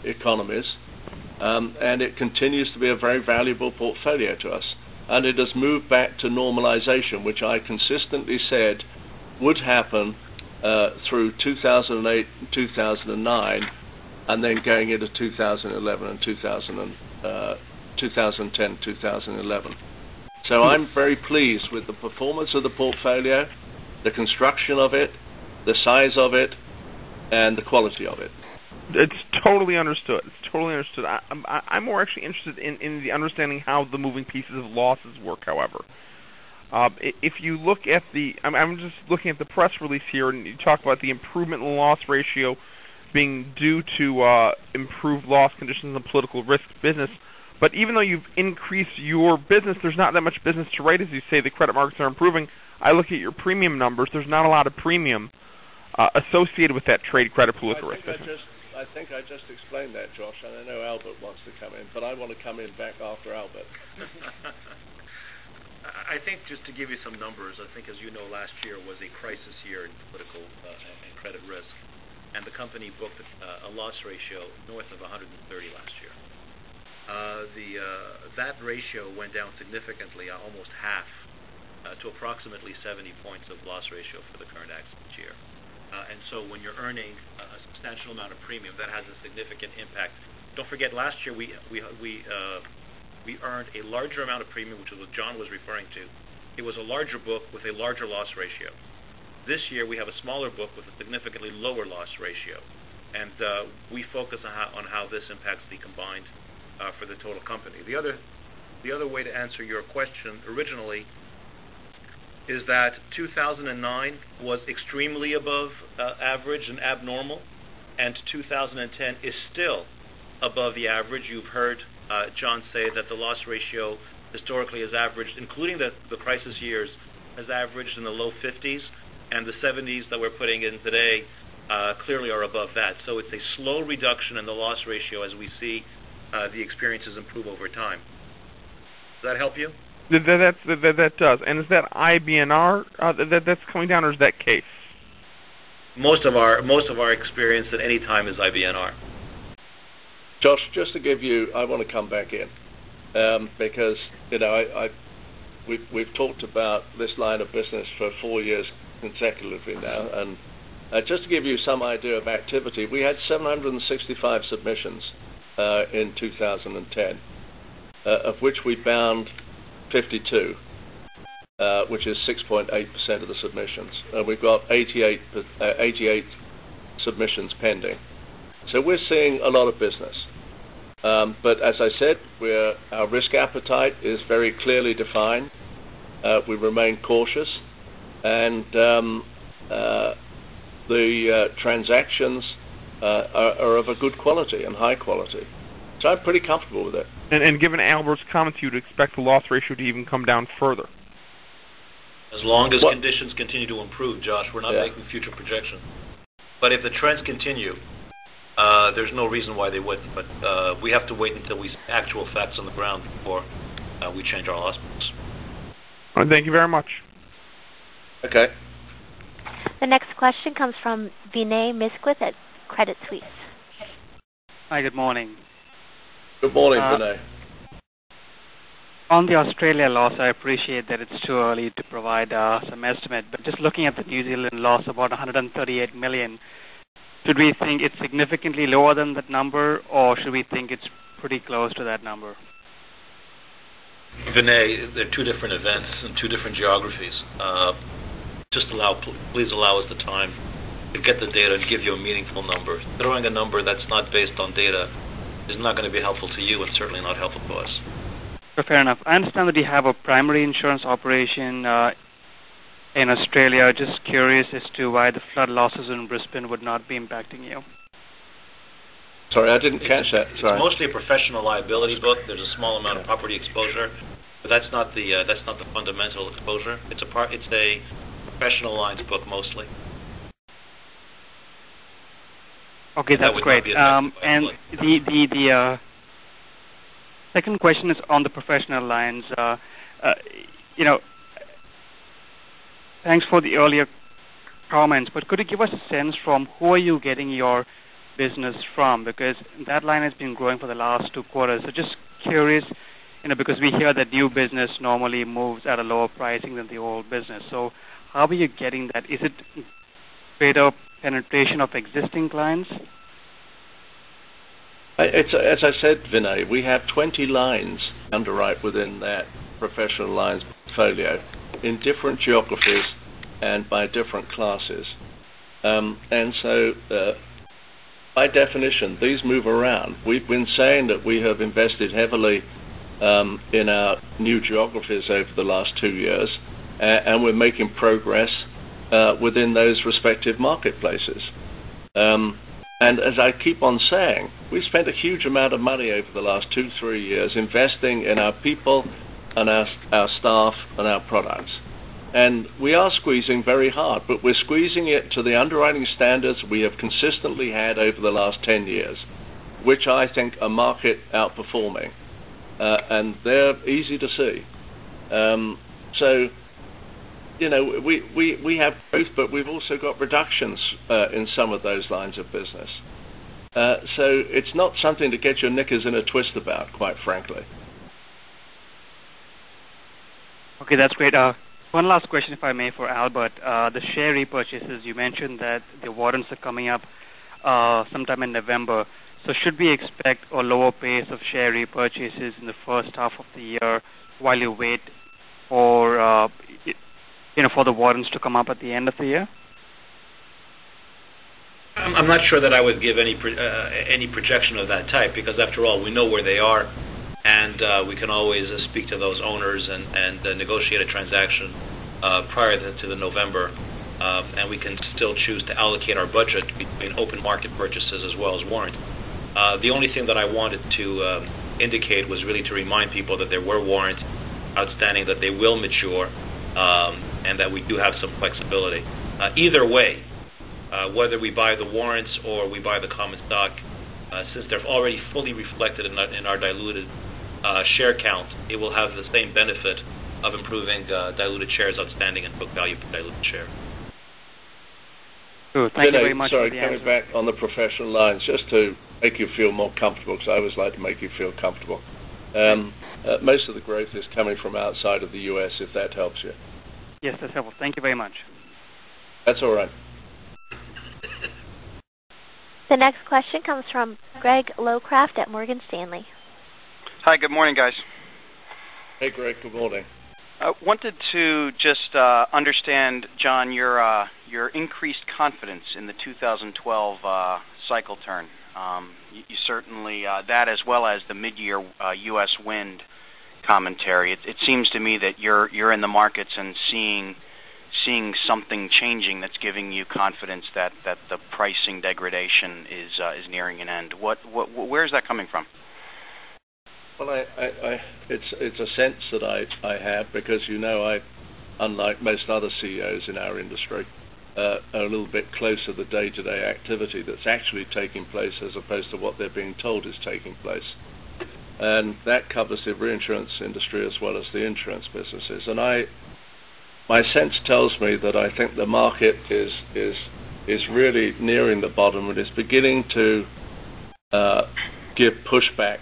economies. It continues to be a very valuable portfolio to us. It has moved back to normalization, which I consistently said would happen through 2008 and 2009, going into 2010, 2011. I'm very pleased with the performance of the portfolio, the construction of it, the size of it, and the quality of it.
It's totally understood. I'm more actually interested in the understanding how the moving pieces of losses work, however. I'm just looking at the press release here, and you talk about the improvement in loss ratio being due to improved loss conditions in the political risk business. Even though you've increased your business, there's not that much business to write. As you say, the credit markets are improving. I look at your premium numbers. There's not a lot of premium associated with that trade credit political risk business.
I think I just explained that, Josh. I know Albert wants to come in, I want to come in back after Albert.
I think just to give you some numbers. I think as you know, last year was a crisis year in political and credit risk, the company booked a loss ratio north of 130 last year. That ratio went down significantly, almost half, to approximately 70 points of loss ratio for the current accident year. When you're earning a substantial amount of premium, that has a significant impact. Don't forget, last year we earned a larger amount of premium, which is what John was referring to. It was a larger book with a larger loss ratio. This year we have a smaller book with a significantly lower loss ratio, we focus on how this impacts the combined for the total company. The other way to answer your question originally is that 2009 was extremely above average and abnormal, 2010 is still above the average. You've heard John say that the loss ratio historically has averaged, including the crisis years, has averaged in the low 50s. The 70s that we're putting in today clearly are above that. It's a slow reduction in the loss ratio as we see the experiences improve over time. Does that help you?
That does. Is that IBNR that's coming down, or is that case?
Most of our experience at any time is IBNR.
Josh, just to give you, I want to come back in because we've talked about this line of business for four years consecutively now. Just to give you some idea of activity, we had 765 submissions in 2010, of which we bound 52, which is 6.8% of the submissions. We've got 88 submissions pending. We're seeing a lot of business. As I said, our risk appetite is very clearly defined. We remain cautious, and the transactions are of a good quality and high quality. I'm pretty comfortable with it.
Given Albert's comments, you'd expect the loss ratio to even come down further.
As long as conditions continue to improve, Josh, we're not making future projections. If the trends continue, there's no reason why they wouldn't. We have to wait until we see actual facts on the ground before we change our assumptions.
Thank you very much.
Okay.
The next question comes from Vinay Misquith at Credit Suisse.
Hi, good morning.
Good morning, Vinay.
On the Australia loss, I appreciate that it's too early to provide some estimate. Just looking at the New Zealand loss of about $138 million, should we think it's significantly lower than that number, or should we think it's pretty close to that number?
Vinay, they're two different events and two different geographies. Just please allow us the time to get the data and give you a meaningful number. Throwing a number that's not based on data is not going to be helpful to you and certainly not helpful to us.
Fair enough. I understand that you have a primary insurance operation in Australia. Just curious as to why the flood losses in Brisbane would not be impacting you.
Sorry, I didn't catch that. Sorry.
It's mostly a professional liability book. There's a small amount of property exposure, but that's not the fundamental exposure. It's a professional lines book mostly.
Okay, that's great.
That would not be affected by a flood.
The second question is on the professional lines. Thanks for the earlier comments, but could you give us a sense from who are you getting your business from? That line has been growing for the last two quarters. Just curious, because we hear that new business normally moves at a lower pricing than the old business. How are you getting that? Is it greater penetration of existing clients?
As I said, Vinay, we have 20 lines underwrite within that Professional Lines portfolio in different geographies and by different classes. By definition, these move around. We've been saying that we have invested heavily in our new geographies over the last two years, we're making progress within those respective marketplaces. As I keep on saying, we've spent a huge amount of money over the last two, three years investing in our people and our staff and our products. We are squeezing very hard, but we're squeezing it to the underwriting standards we have consistently had over the last 10 years, which I think are market outperforming. They're easy to see. We have growth, but we've also got reductions in some of those lines of business. It's not something to get your knickers in a twist about, quite frankly.
Okay, that's great. One last question, if I may, for Albert. The share repurchases, you mentioned that the warrants are coming up sometime in November. Should we expect a lower pace of share repurchases in the first half of the year while you wait for the warrants to come up at the end of the year?
I'm not sure that I would give any projection of that type, because after all, we know where they are, and we can always speak to those owners and negotiate a transaction prior to the November. We can still choose to allocate our budget between open market purchases as well as warrants. The only thing that I wanted to indicate was really to remind people that there were warrants outstanding, that they will mature, and that we do have some flexibility. Either way, whether we buy the warrants or we buy the common stock, since they're already fully reflected in our diluted share count, it will have the same benefit of improving diluted shares outstanding and book value per diluted share.
Thank you very much.
Vinay, sorry, coming back on the professional lines, just to make you feel more comfortable because I always like to make you feel comfortable. Most of the growth is coming from outside of the U.S., if that helps you.
Yes, that's helpful. Thank you very much.
That's all right.
The next question comes from Greg Locraft at Morgan Stanley.
Hi, good morning, guys.
Hey, Greg. Good morning.
I wanted to just understand, John, your increased confidence in the 2012 cycle turn. Certainly that as well as the mid-year U.S. wind commentary. It seems to me that you're in the markets and seeing something changing that's giving you confidence that the pricing degradation is nearing an end. Where is that coming from?
Well, it's a sense that I have because Unlike most other CEOs in our industry, are a little bit closer to the day-to-day activity that's actually taking place as opposed to what they're being told is taking place. That covers the reinsurance industry as well as the insurance businesses. My sense tells me that I think the market is really nearing the bottom, and is beginning to give pushback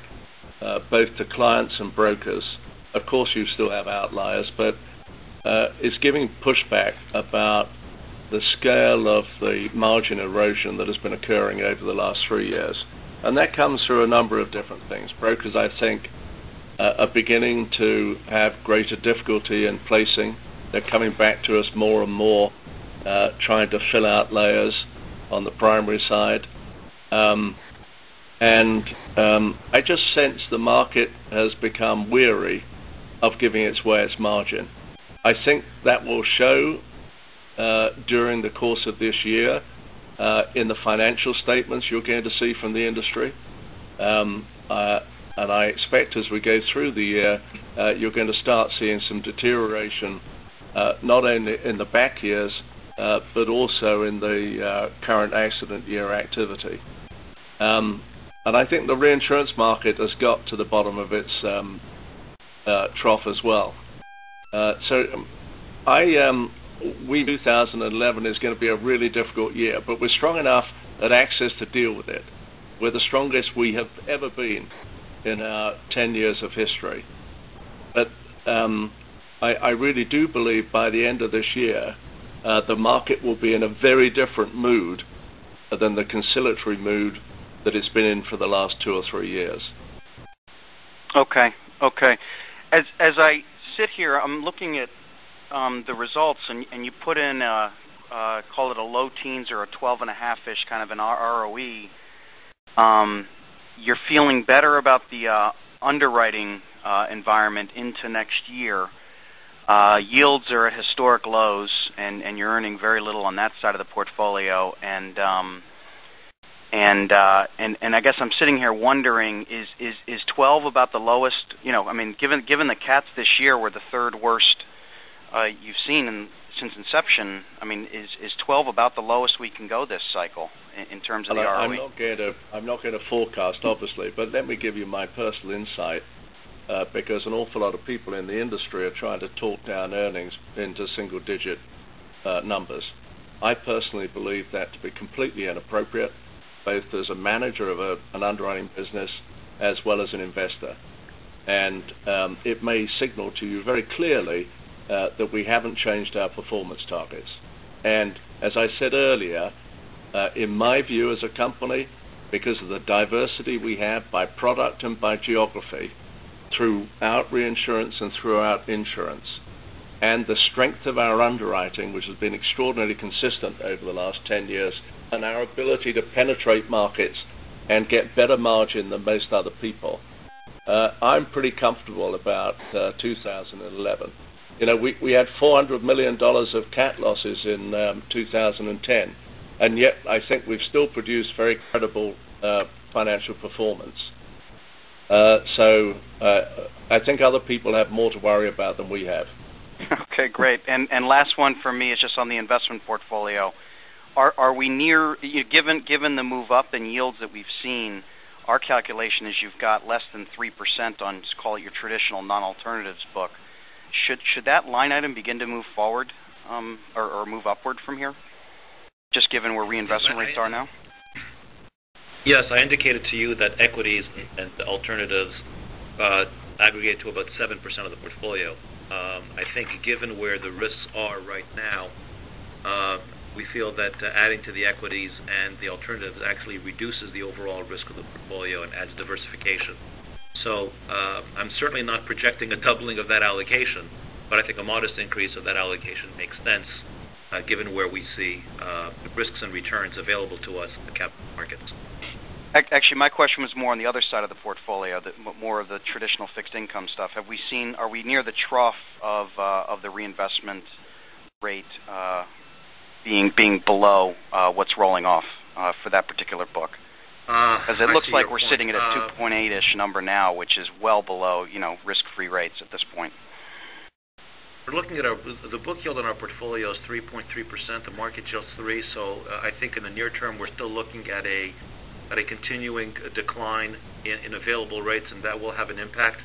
both to clients and brokers. Of course, you still have outliers, but it's giving pushback about the scale of the margin erosion that has been occurring over the last three years. That comes through a number of different things. Brokers, I think, are beginning to have greater difficulty in placing. They're coming back to us more and more, trying to fill out layers on the primary side. I just sense the market has become weary of giving away its margin. I think that will show during the course of this year in the financial statements you're going to see from the industry. I expect as we go through the year, you're going to start seeing some deterioration, not only in the back years, but also in the current accident year activity. I think the reinsurance market has got to the bottom of its trough as well. We think 2011 is going to be a really difficult year, but we're strong enough at AXIS to deal with it. We're the strongest we have ever been in our 10 years of history. I really do believe by the end of this year, the market will be in a very different mood than the conciliatory mood that it's been in for the last two or three years.
Okay. As I sit here, I'm looking at the results, you put in, call it a low teens or a 12 and a half-ish kind of an ROE. You're feeling better about the underwriting environment into next year. Yields are at historic lows, you're earning very little on that side of the portfolio. I guess I'm sitting here wondering, is 12 about the lowest? Given the cats this year were the third worst you've seen since inception, is 12 about the lowest we can go this cycle in terms of the ROE?
I'm not going to forecast, obviously, let me give you my personal insight, because an awful lot of people in the industry are trying to talk down earnings into single digit numbers. I personally believe that to be completely inappropriate, both as a manager of an underwriting business as well as an investor. It may signal to you very clearly that we haven't changed our performance targets. As I said earlier, in my view as a company, because of the diversity we have by product and by geography throughout reinsurance and throughout insurance, the strength of our underwriting, which has been extraordinarily consistent over the last 10 years, our ability to penetrate markets and get better margin than most other people, I'm pretty comfortable about 2011. We had $400 million of cat losses in 2010, yet I think we've still produced very credible financial performance. I think other people have more to worry about than we have.
Okay, great. Last one from me is just on the investment portfolio. Given the move up in yields that we've seen, our calculation is you've got less than 3% on, let's call it your traditional non-alternatives book. Should that line item begin to move forward or move upward from here, just given where reinvestment rates are now?
Yes, I indicated to you that equities and alternatives aggregate to about 7% of the portfolio. I think given where the risks are right now, we feel that adding to the equities and the alternatives actually reduces the overall risk of the portfolio and adds diversification. I'm certainly not projecting a doubling of that allocation, but I think a modest increase of that allocation makes sense given where we see the risks and returns available to us in the capital markets.
Actually, my question was more on the other side of the portfolio, more of the traditional fixed income stuff. Are we near the trough of the reinvestment rate being below what's rolling off for that particular book?
I see your point.
It looks like we're sitting at a 2.8-ish number now, which is well below risk-free rates at this point.
The book yield on our portfolio is 3.3%. The market yield is three. I think in the near term, we're still looking at a continuing decline in available rates, and that will have an impact.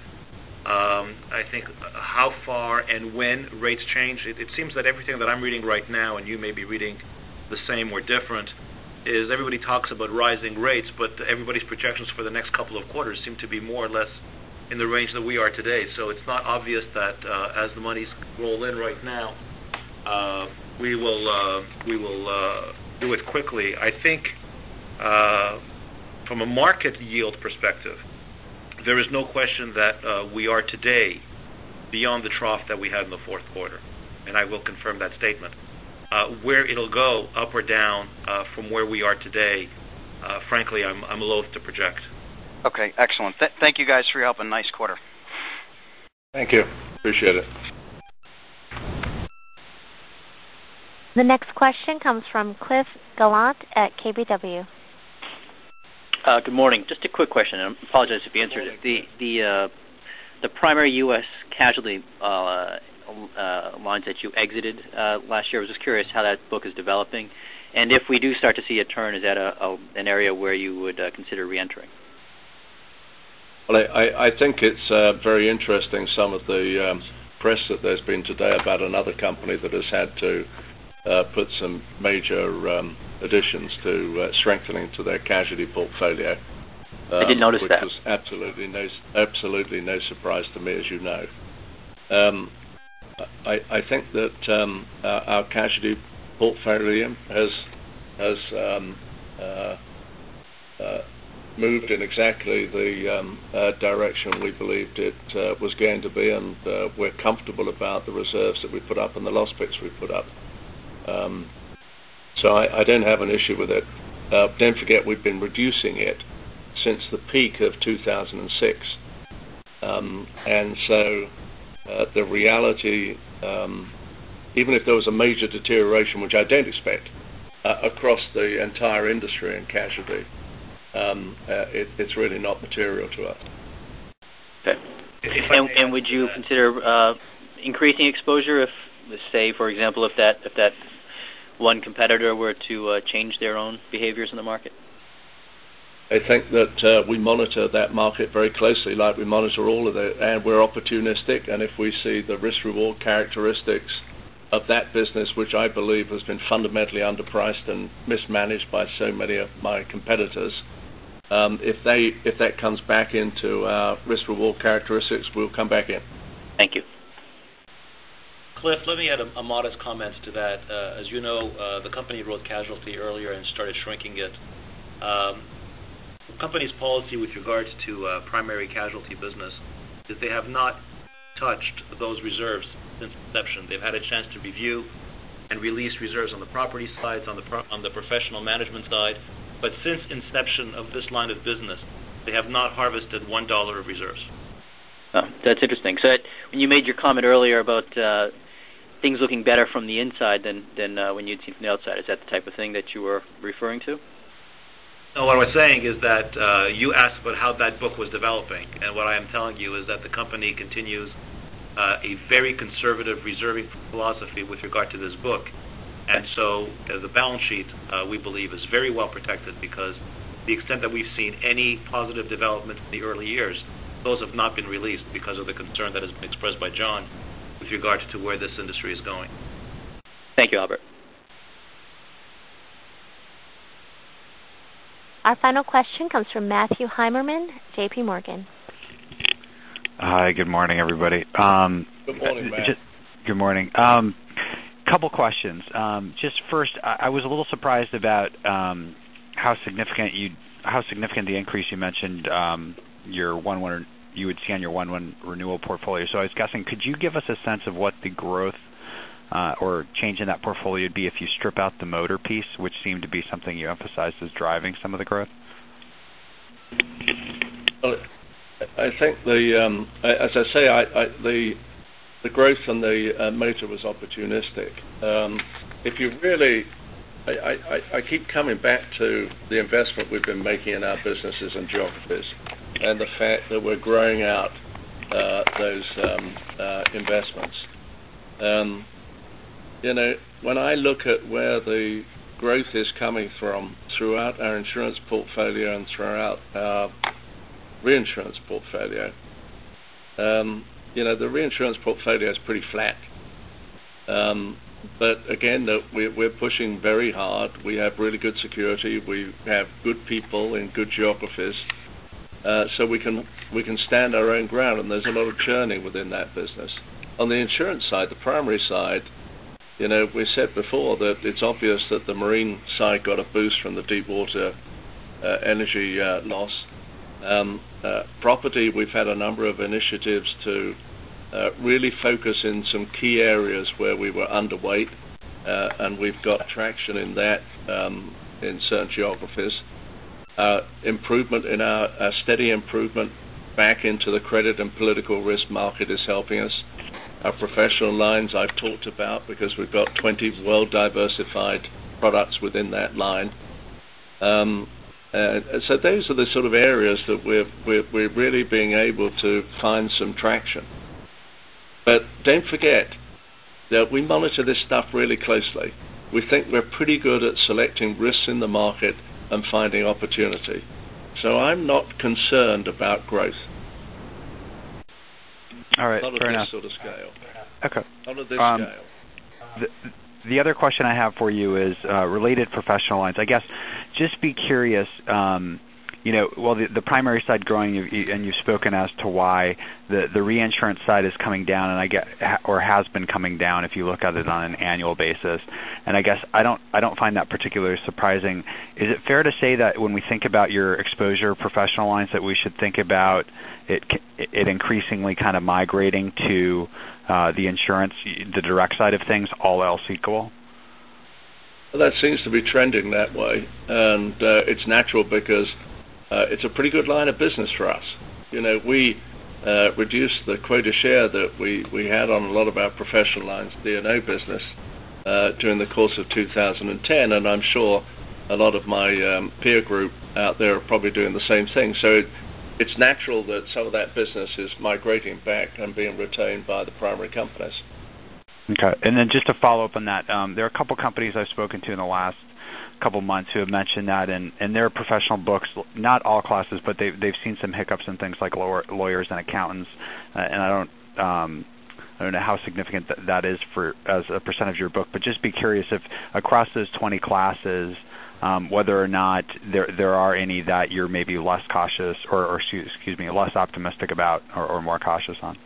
I think how far and when rates change, it seems that everything that I'm reading right now, and you may be reading the same or different, is everybody talks about rising rates, but everybody's projections for the next couple of quarters seem to be more or less in the range that we are today. It's not obvious that as the monies roll in right now, we will do it quickly. I think from a market yield perspective, there is no question that we are today beyond the trough that we had in the fourth quarter, and I will confirm that statement. Where it'll go up or down from where we are today, frankly, I'm loath to project.
Okay. Excellent. Thank you guys for your help, and nice quarter.
Thank you. Appreciate it.
The next question comes from Cliff Gallant at KBW.
Good morning. Just a quick question, and I apologize if you answered it.
Good morning.
The primary U.S. casualty lines that you exited last year, I was just curious how that book is developing. If we do start to see a turn, is that an area where you would consider re-entering?
Well, I think it's very interesting some of the press that there's been today about another company that has had to put some major additions to strengthening to their casualty portfolio.
I did notice that.
Which was absolutely no surprise to me, as you know. I think that our casualty portfolio has moved in exactly the direction we believed it was going to be, and we're comfortable about the reserves that we put up and the loss picks we put up. I don't have an issue with it. Don't forget, we've been reducing it since the peak of 2006. The reality, even if there was a major deterioration, which I don't expect, across the entire industry in casualty, it's really not material to us.
Okay. Would you consider increasing exposure if, let's say, for example, if that one competitor were to change their own behaviors in the market?
I think that we monitor that market very closely, like we monitor all of it, and we're opportunistic. If we see the risk-reward characteristics of that business, which I believe has been fundamentally underpriced and mismanaged by so many of my competitors, if that comes back into risk-reward characteristics, we'll come back in.
Thank you.
Cliff, let me add a modest comment to that. As you know, the company wrote casualty earlier and started shrinking it. The company's policy with regards to primary casualty business is they have not touched those reserves since inception. They've had a chance to review and release reserves on the property sides, on the professional management side. Since inception of this line of business, they have not harvested $1 of reserves.
That's interesting. When you made your comment earlier about things looking better from the inside than when you'd see from the outside, is that the type of thing that you were referring to?
No, what I was saying is that you asked about how that book was developing, what I am telling you is that the company continues a very conservative reserving philosophy with regard to this book. The balance sheet, we believe, is very well protected because the extent that we've seen any positive development in the early years, those have not been released because of the concern that has been expressed by John with regards to where this industry is going.
Thank you, Albert.
Our final question comes from Matthew Heimermann, JPMorgan.
Hi, good morning, everybody.
Good morning, Matt.
Good morning. Couple questions. Just first, I was a little surprised about how significant the increase you mentioned you would see on your 1/1 renewal portfolio. I was guessing, could you give us a sense of what the growth or change in that portfolio would be if you strip out the motor piece, which seemed to be something you emphasized as driving some of the growth?
Well, as I say, the growth in the motor was opportunistic. I keep coming back to the investment we've been making in our businesses and geographies and the fact that we're growing out those investments. When I look at where the growth is coming from throughout our insurance portfolio and throughout our reinsurance portfolio, the reinsurance portfolio is pretty flat. Again, we're pushing very hard. We have really good security. We have good people in good geographies. We can stand our own ground, and there's a lot of churning within that business. On the insurance side, the primary side, we said before that it's obvious that the marine side got a boost from the deepwater energy loss. Property, we've had a number of initiatives to really focus in some key areas where we were underweight, and we've got traction in that in certain geographies. A steady improvement back into the credit and political risk market is helping us. Our professional lines I've talked about because we've got 20 well-diversified products within that line. Those are the sort of areas that we're really being able to find some traction. Don't forget that we monitor this stuff really closely. We think we're pretty good at selecting risks in the market and finding opportunity. I'm not concerned about growth.
All right. Fair enough.
Not at this sort of scale.
Okay.
Not at this scale.
The other question I have for you is related professional lines. I guess, just be curious, well, the primary side growing, and you've spoken as to why the reinsurance side is coming down, or has been coming down, if you look at it on an annual basis. I guess I don't find that particularly surprising. Is it fair to say that when we think about your exposure professional lines, that we should think about it increasingly kind of migrating to the insurance, the direct side of things, all else equal?
Well, that seems to be trending that way, and it's natural because it's a pretty good line of business for us. We reduced the quota share that we had on a lot of our professional lines D&O business during the course of 2010, and I'm sure a lot of my peer group out there are probably doing the same thing. It's natural that some of that business is migrating back and being retained by the primary companies.
Okay. Then just to follow up on that, there are a couple companies I've spoken to in the last couple months who have mentioned that in their professional books, not all classes, but they've seen some hiccups in things like lawyers and accountants. I don't know how significant that is as a percentage of your book, but just be curious if across those 20 classes, whether or not there are any that you're maybe less cautious or, excuse me, less optimistic about or more cautious on.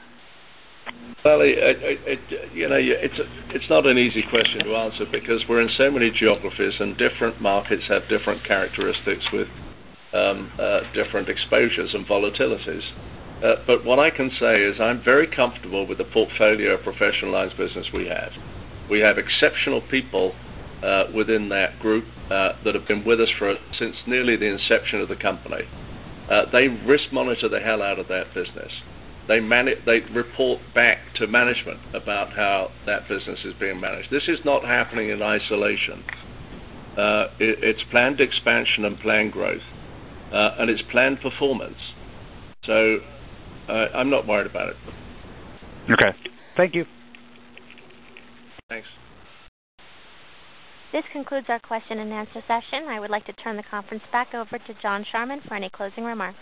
Well, it's not an easy question to answer because we're in so many geographies and different markets have different characteristics with different exposures and volatilities. What I can say is I'm very comfortable with the portfolio of Professional Lines business we have. We have exceptional people within that group that have been with us since nearly the inception of the company. They risk monitor the hell out of that business. They report back to management about how that business is being managed. This is not happening in isolation. It's planned expansion and planned growth, and it's planned performance. I'm not worried about it.
Okay. Thank you.
Thanks.
This concludes our question and answer session. I would like to turn the conference back over to John Charman for any closing remarks.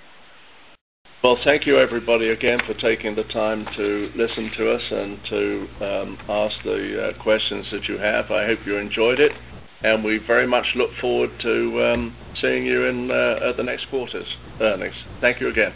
Well, thank you everybody again for taking the time to listen to us and to ask the questions that you have. I hope you enjoyed it, and we very much look forward to seeing you at the next quarter's earnings. Thank you again.